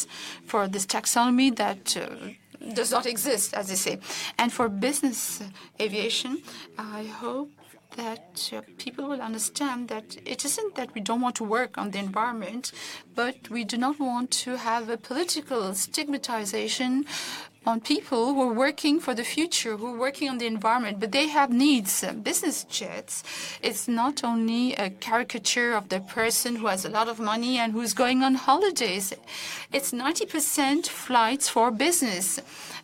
A: for this taxonomy that, does not exist, as they say. And for business aviation, I hope that, people will understand that it isn't that we don't want to work on the environment, but we do not want to have a political stigmatization on people who are working for the future, who are working on the environment, but they have needs. Business jets is not only a caricature of the person who has a lot of money and who's going on holidays. It's 90% flights for business.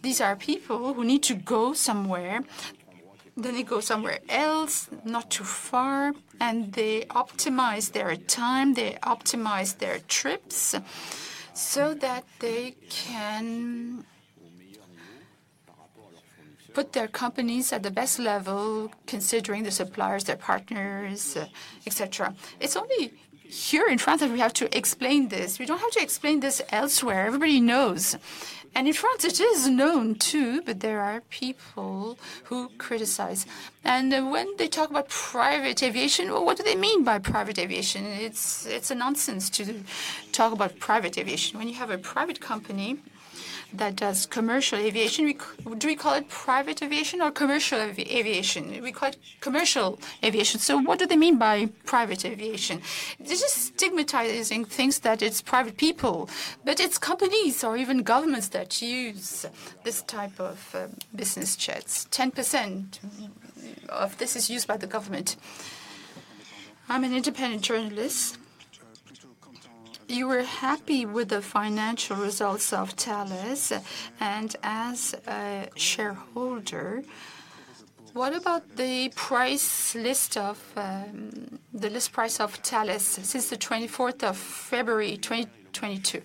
A: These are people who need to go somewhere, they need to go somewhere else, not too far, and they optimize their time, they optimize their trips so that they can put their companies at the best level, considering their suppliers, their partners, et cetera. It's only here in France that we have to explain this. We don't have to explain this elsewhere, everybody knows. And in France, it is known too, but there are people who criticize. And, when they talk about private aviation, well, what do they mean by private aviation? It's, it's a nonsense to talk about private aviation. When you have a private company that does commercial aviation, do we call it private aviation or commercial aviation? We call it commercial aviation. So what do they mean by private aviation? This is stigmatizing things that it's private people, but it's companies or even governments that use this type of business jets. 10% of this is used by the government. I'm an independent journalist. You were happy with the financial results of Thales, and as a shareholder, what about the list price of Thales since the 24th of February, 2022?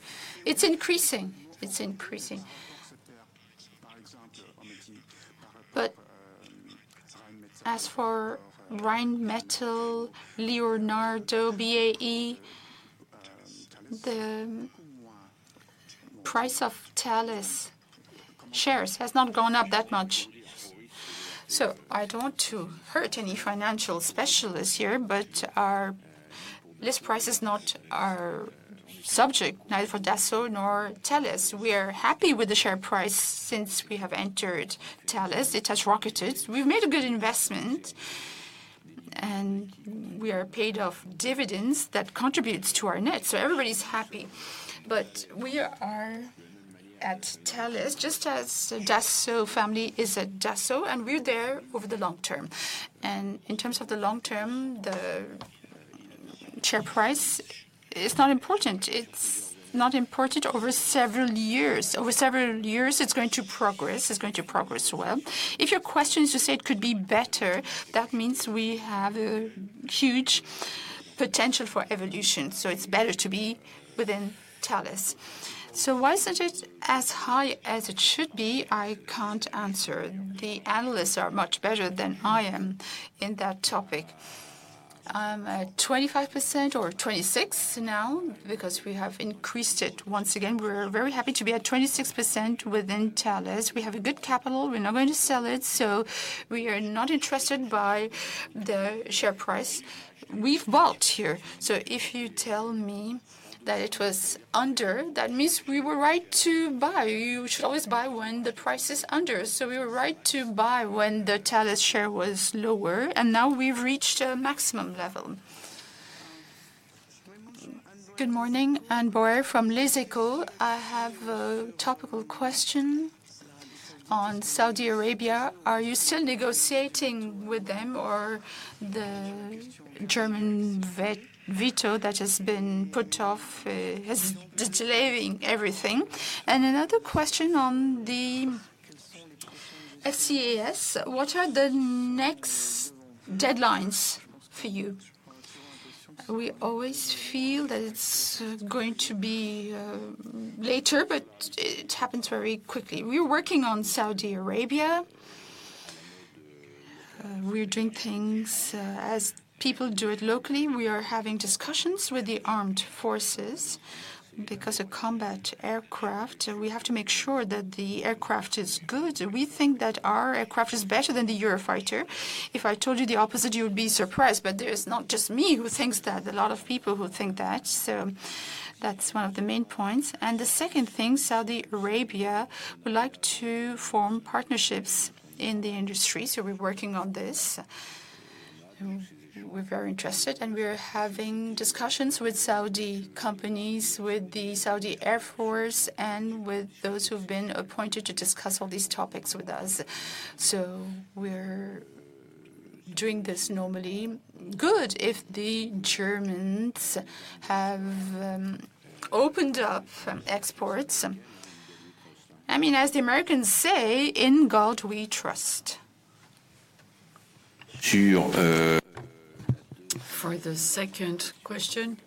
A: It's increasing. It's increasing. But as for Rheinmetall, Leonardo, BAE, the price of Thales shares has not gone up that much. So I don't want to hurt any financial specialists here, but our list price is not our subject, neither for Dassault nor Thales. We are happy with the share price since we have entered Thales. It has rocketed. We've made a good investment, and we are paid off dividends that contributes to our net, so everybody's happy. But we are at Thales, just as Dassault family is at Dassault, and we're there over the long term. In terms of the long term, the share price is not important. It's not important over several years. Over several years, it's going to progress. It's going to progress well. If your question is to say it could be better, that means we have a huge potential for evolution, so it's better to be within Thales. So why is it as high as it should be? I can't answer. The analysts are much better than I am in that topic. At 25% or 26% now, because we have increased it. Once again, we're very happy to be at 26% within Thales. We have a good capital. We're not going to sell it, so we are not interested by the share price. We've bought here. So if you tell me that it was under, that means we were right to buy. You should always buy when the price is under, so we were right to buy when the Thales share was lower, and now we've reached a maximum level. Good morning, Anne Bauer from Les Echos. I have a topical question on Saudi Arabia. Are you still negotiating with them, or the German veto that has been put off is delaying everything? And another question on the FCAS, what are the next deadlines for you? We always feel that it's going to be later, but it happens very quickly. We're working on Saudi Arabia. We're doing things as people do it locally. We are having discussions with the armed forces because a combat aircraft, we have to make sure that the aircraft is good. We think that our aircraft is better than the Eurofighter. If I told you the opposite, you would be surprised, but it is not just me who thinks that, a lot of people who think that. So that's one of the main points. And the second thing, Saudi Arabia would like to form partnerships in the industry, so we're working on this. We're very interested, and we're having discussions with Saudi companies, with the Saudi Air Force, and with those who've been appointed to discuss all these topics with us. So we're doing this normally. Good, if the Germans have opened up exports. I mean, as the Americans say, "In God, we trust.
B: For the second question,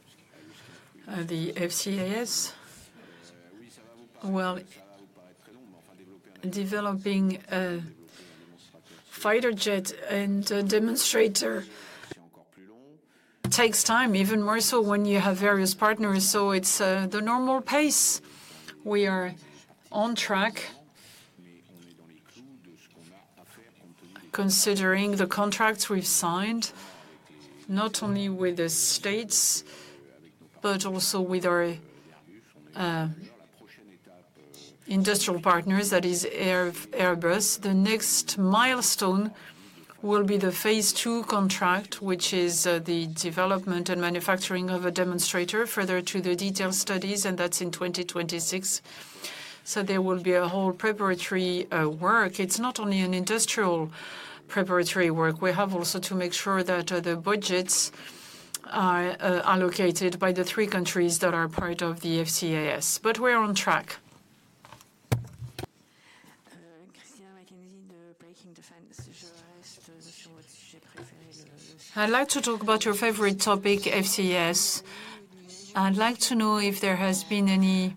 B: the FCAS. Well, developing a fighter jet and a demonstrator takes time, even more so when you have various partners, so it's the normal pace. We are on track considering the contracts we've signed, not only with the states, but also with our industrial partners, that is Airbus. The next milestone will be the phase two contract, which is the development and manufacturing of a demonstrator, further to the detailed studies, and that's in 2026. So there will be a whole preparatory work. It's not only an industrial preparatory work. We have also to make sure that the budgets are allocated by the three countries that are part of the FCAS, but we're on track.
A: I'd like to talk about your favorite topic, FCAS. I'd like to know if there has been any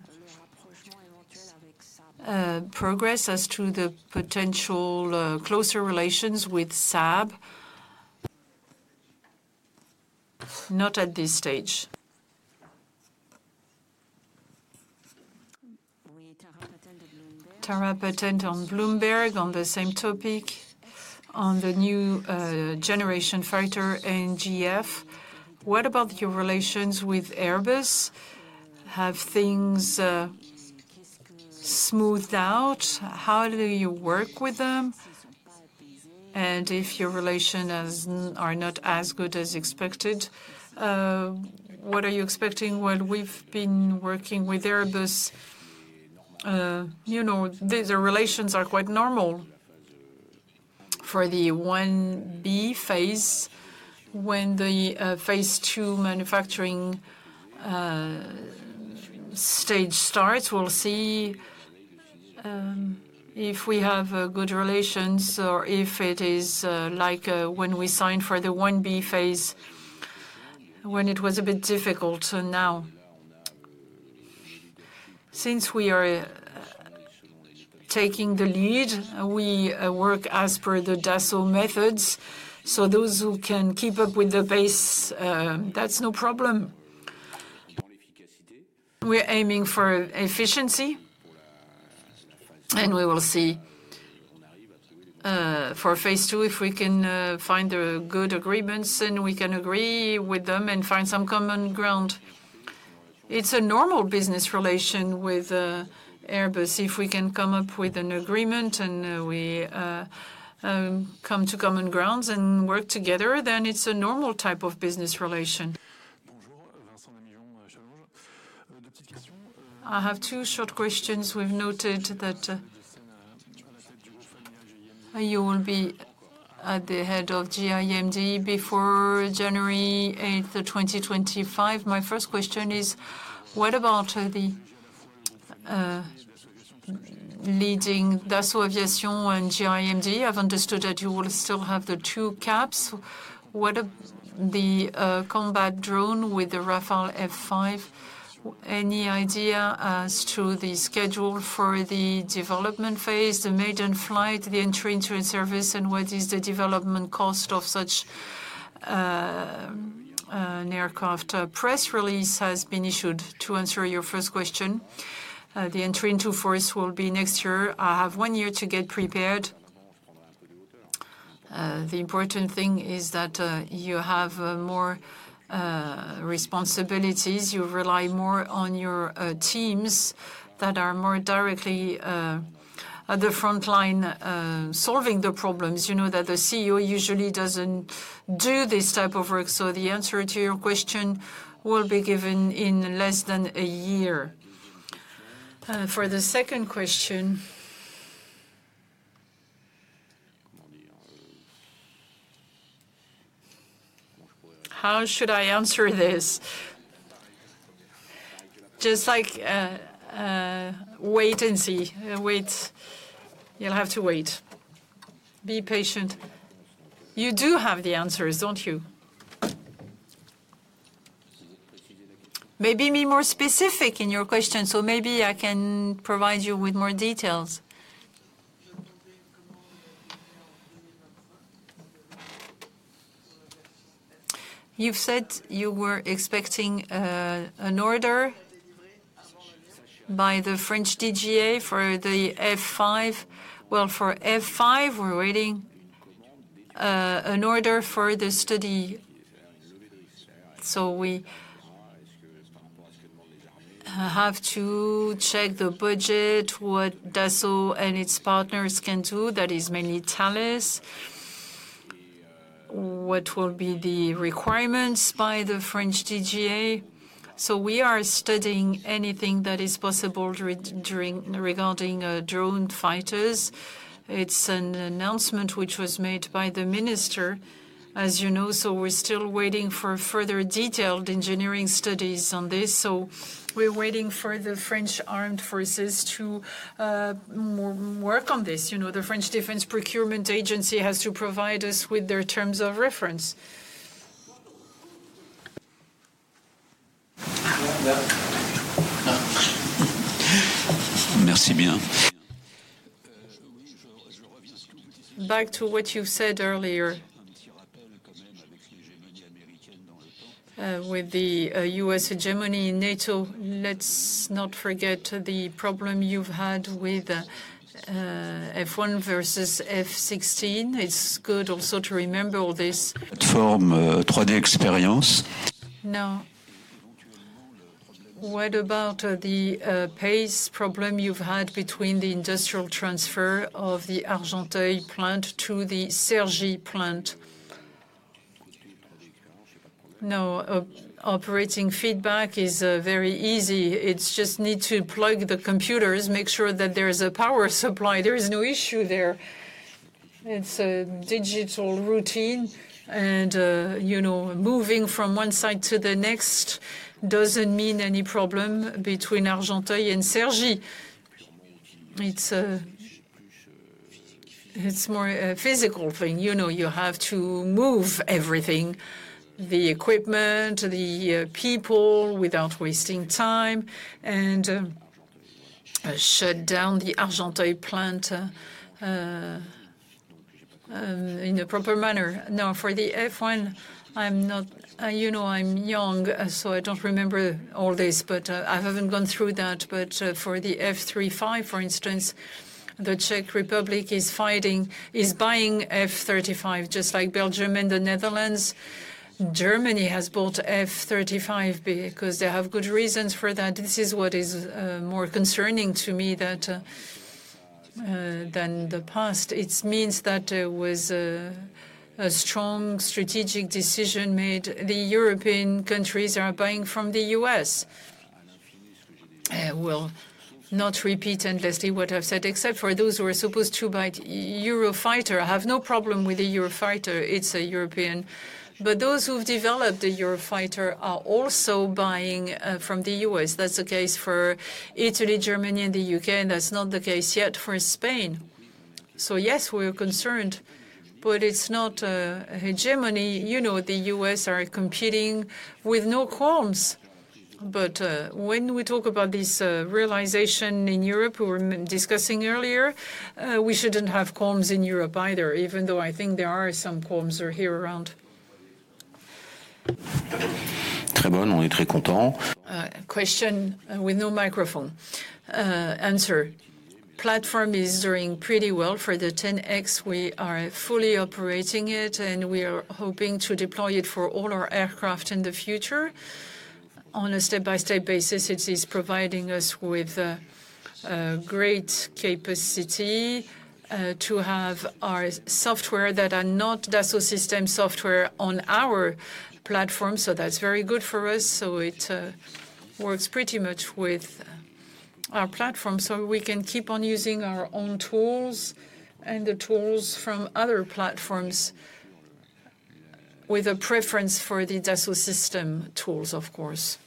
A: progress as to the potential closer relations with Saab. Not at this stage. Tara Patel on Bloomberg, on the same topic, on the new generation fighter, NGF. What about your relations with Airbus? Have things smoothed out? How do you work with them? And if your relations is, are not as good as expected, what are you expecting? Well, we've been working with Airbus. You know, the relations are quite normal....
B: for the 1B phase, when the phase two manufacturing stage starts, we'll see if we have good relations or if it is like when we signed for the 1B phase, when it was a bit difficult. And now, since we are taking the lead, we work as per the Dassault methods. So those who can keep up with the pace, that's no problem. We're aiming for efficiency, and we will see for phase two if we can find the good agreements, and we can agree with them and find some common ground. It's a normal business relation with Airbus. If we can come up with an agreement and we come to common grounds and work together, then it's a normal type of business relation. I have two short questions. We've noted that you will be at the head of GIMD before January 8th, 2025. My first question is, what about the leading Dassault Aviation and GIMD? I've understood that you will still have the two caps. What of the combat drone with the Rafale F5? Any idea as to the schedule for the development phase, the maiden flight, the entry into in service, and what is the development cost of such an aircraft? A press release has been issued to answer your first question. The entry into force will be next year. I have one year to get prepared. The important thing is that you have more responsibilities. You rely more on your teams that are more directly at the frontline solving the problems. You know that the CEO usually doesn't do this type of work, so the answer to your question will be given in less than a year. For the second question... How should I answer this? Just like, wait and see. Wait. You'll have to wait. Be patient. You do have the answers, don't you? Maybe be more specific in your question, so maybe I can provide you with more details. You've said you were expecting an order by the French DGA for the F5. Well, for F5, we're waiting an order for the study. So we have to check the budget, what Dassault and its partners can do, that is mainly Thales. What will be the requirements by the French DGA? So we are studying anything that is possible during regarding drone fighters. It's an announcement which was made by the minister, as you know, so we're still waiting for further detailed engineering studies on this. So we're waiting for the French armed forces to work on this. You know, the French Defense Procurement Agency has to provide us with their terms of reference. Back to what you said earlier. With the US hegemony in NATO, let's not forget the problem you've had with F-35 versus F-16. It's good also to remember all this. Now, what about the pace problem you've had between the industrial transfer of the Argenteuil plant to the Cergy plant? No, operating feedback is very easy. It's just need to plug the computers, make sure that there is a power supply. There is no issue there. It's a digital routine, and, you know, moving from one site to the next doesn't mean any problem between Argenteuil and Cergy. It's more a physical thing. You know, you have to move everything, the equipment, the people, without wasting time, and shut down the Argenteuil plant in a proper manner. Now, for the F1, I'm not... You know, I'm young, so I don't remember all this, but I haven't gone through that. But for the F-35, for instance, the Czech Republic is buying F-35, just like Belgium and the Netherlands. Germany has bought F-35 because they have good reasons for that. This is what is more concerning to me that... than the past. It means that there was a strong strategic decision made. The European countries are buying from the US. I will not repeat endlessly what I've said, except for those who are supposed to buy Eurofighter. I have no problem with the Eurofighter. It's a European. But those who've developed the Eurofighter are also buying from the U.S. That's the case for Italy, Germany, and the U.K., and that's not the case yet for Spain. So, yes, we are concerned, but it's not a hegemony. You know, the U.S. are competing with no qualms. But when we talk about this realization in Europe, we were discussing earlier, we shouldn't have qualms in Europe either, even though I think there are some qualms are here around. Question with no microphone. Answer: Platform is doing pretty well. For the 10X, we are fully operating it, and we are hoping to deploy it for all our aircraft in the future. On a step-by-step basis, it is providing us with a great capacity to have our software that are not Dassault Systèmes software on our platform, so that's very good for us. So it works pretty much with our platform. So we can keep on using our own tools and the tools from other platforms, with a preference for the Dassault Systèmes tools, of course.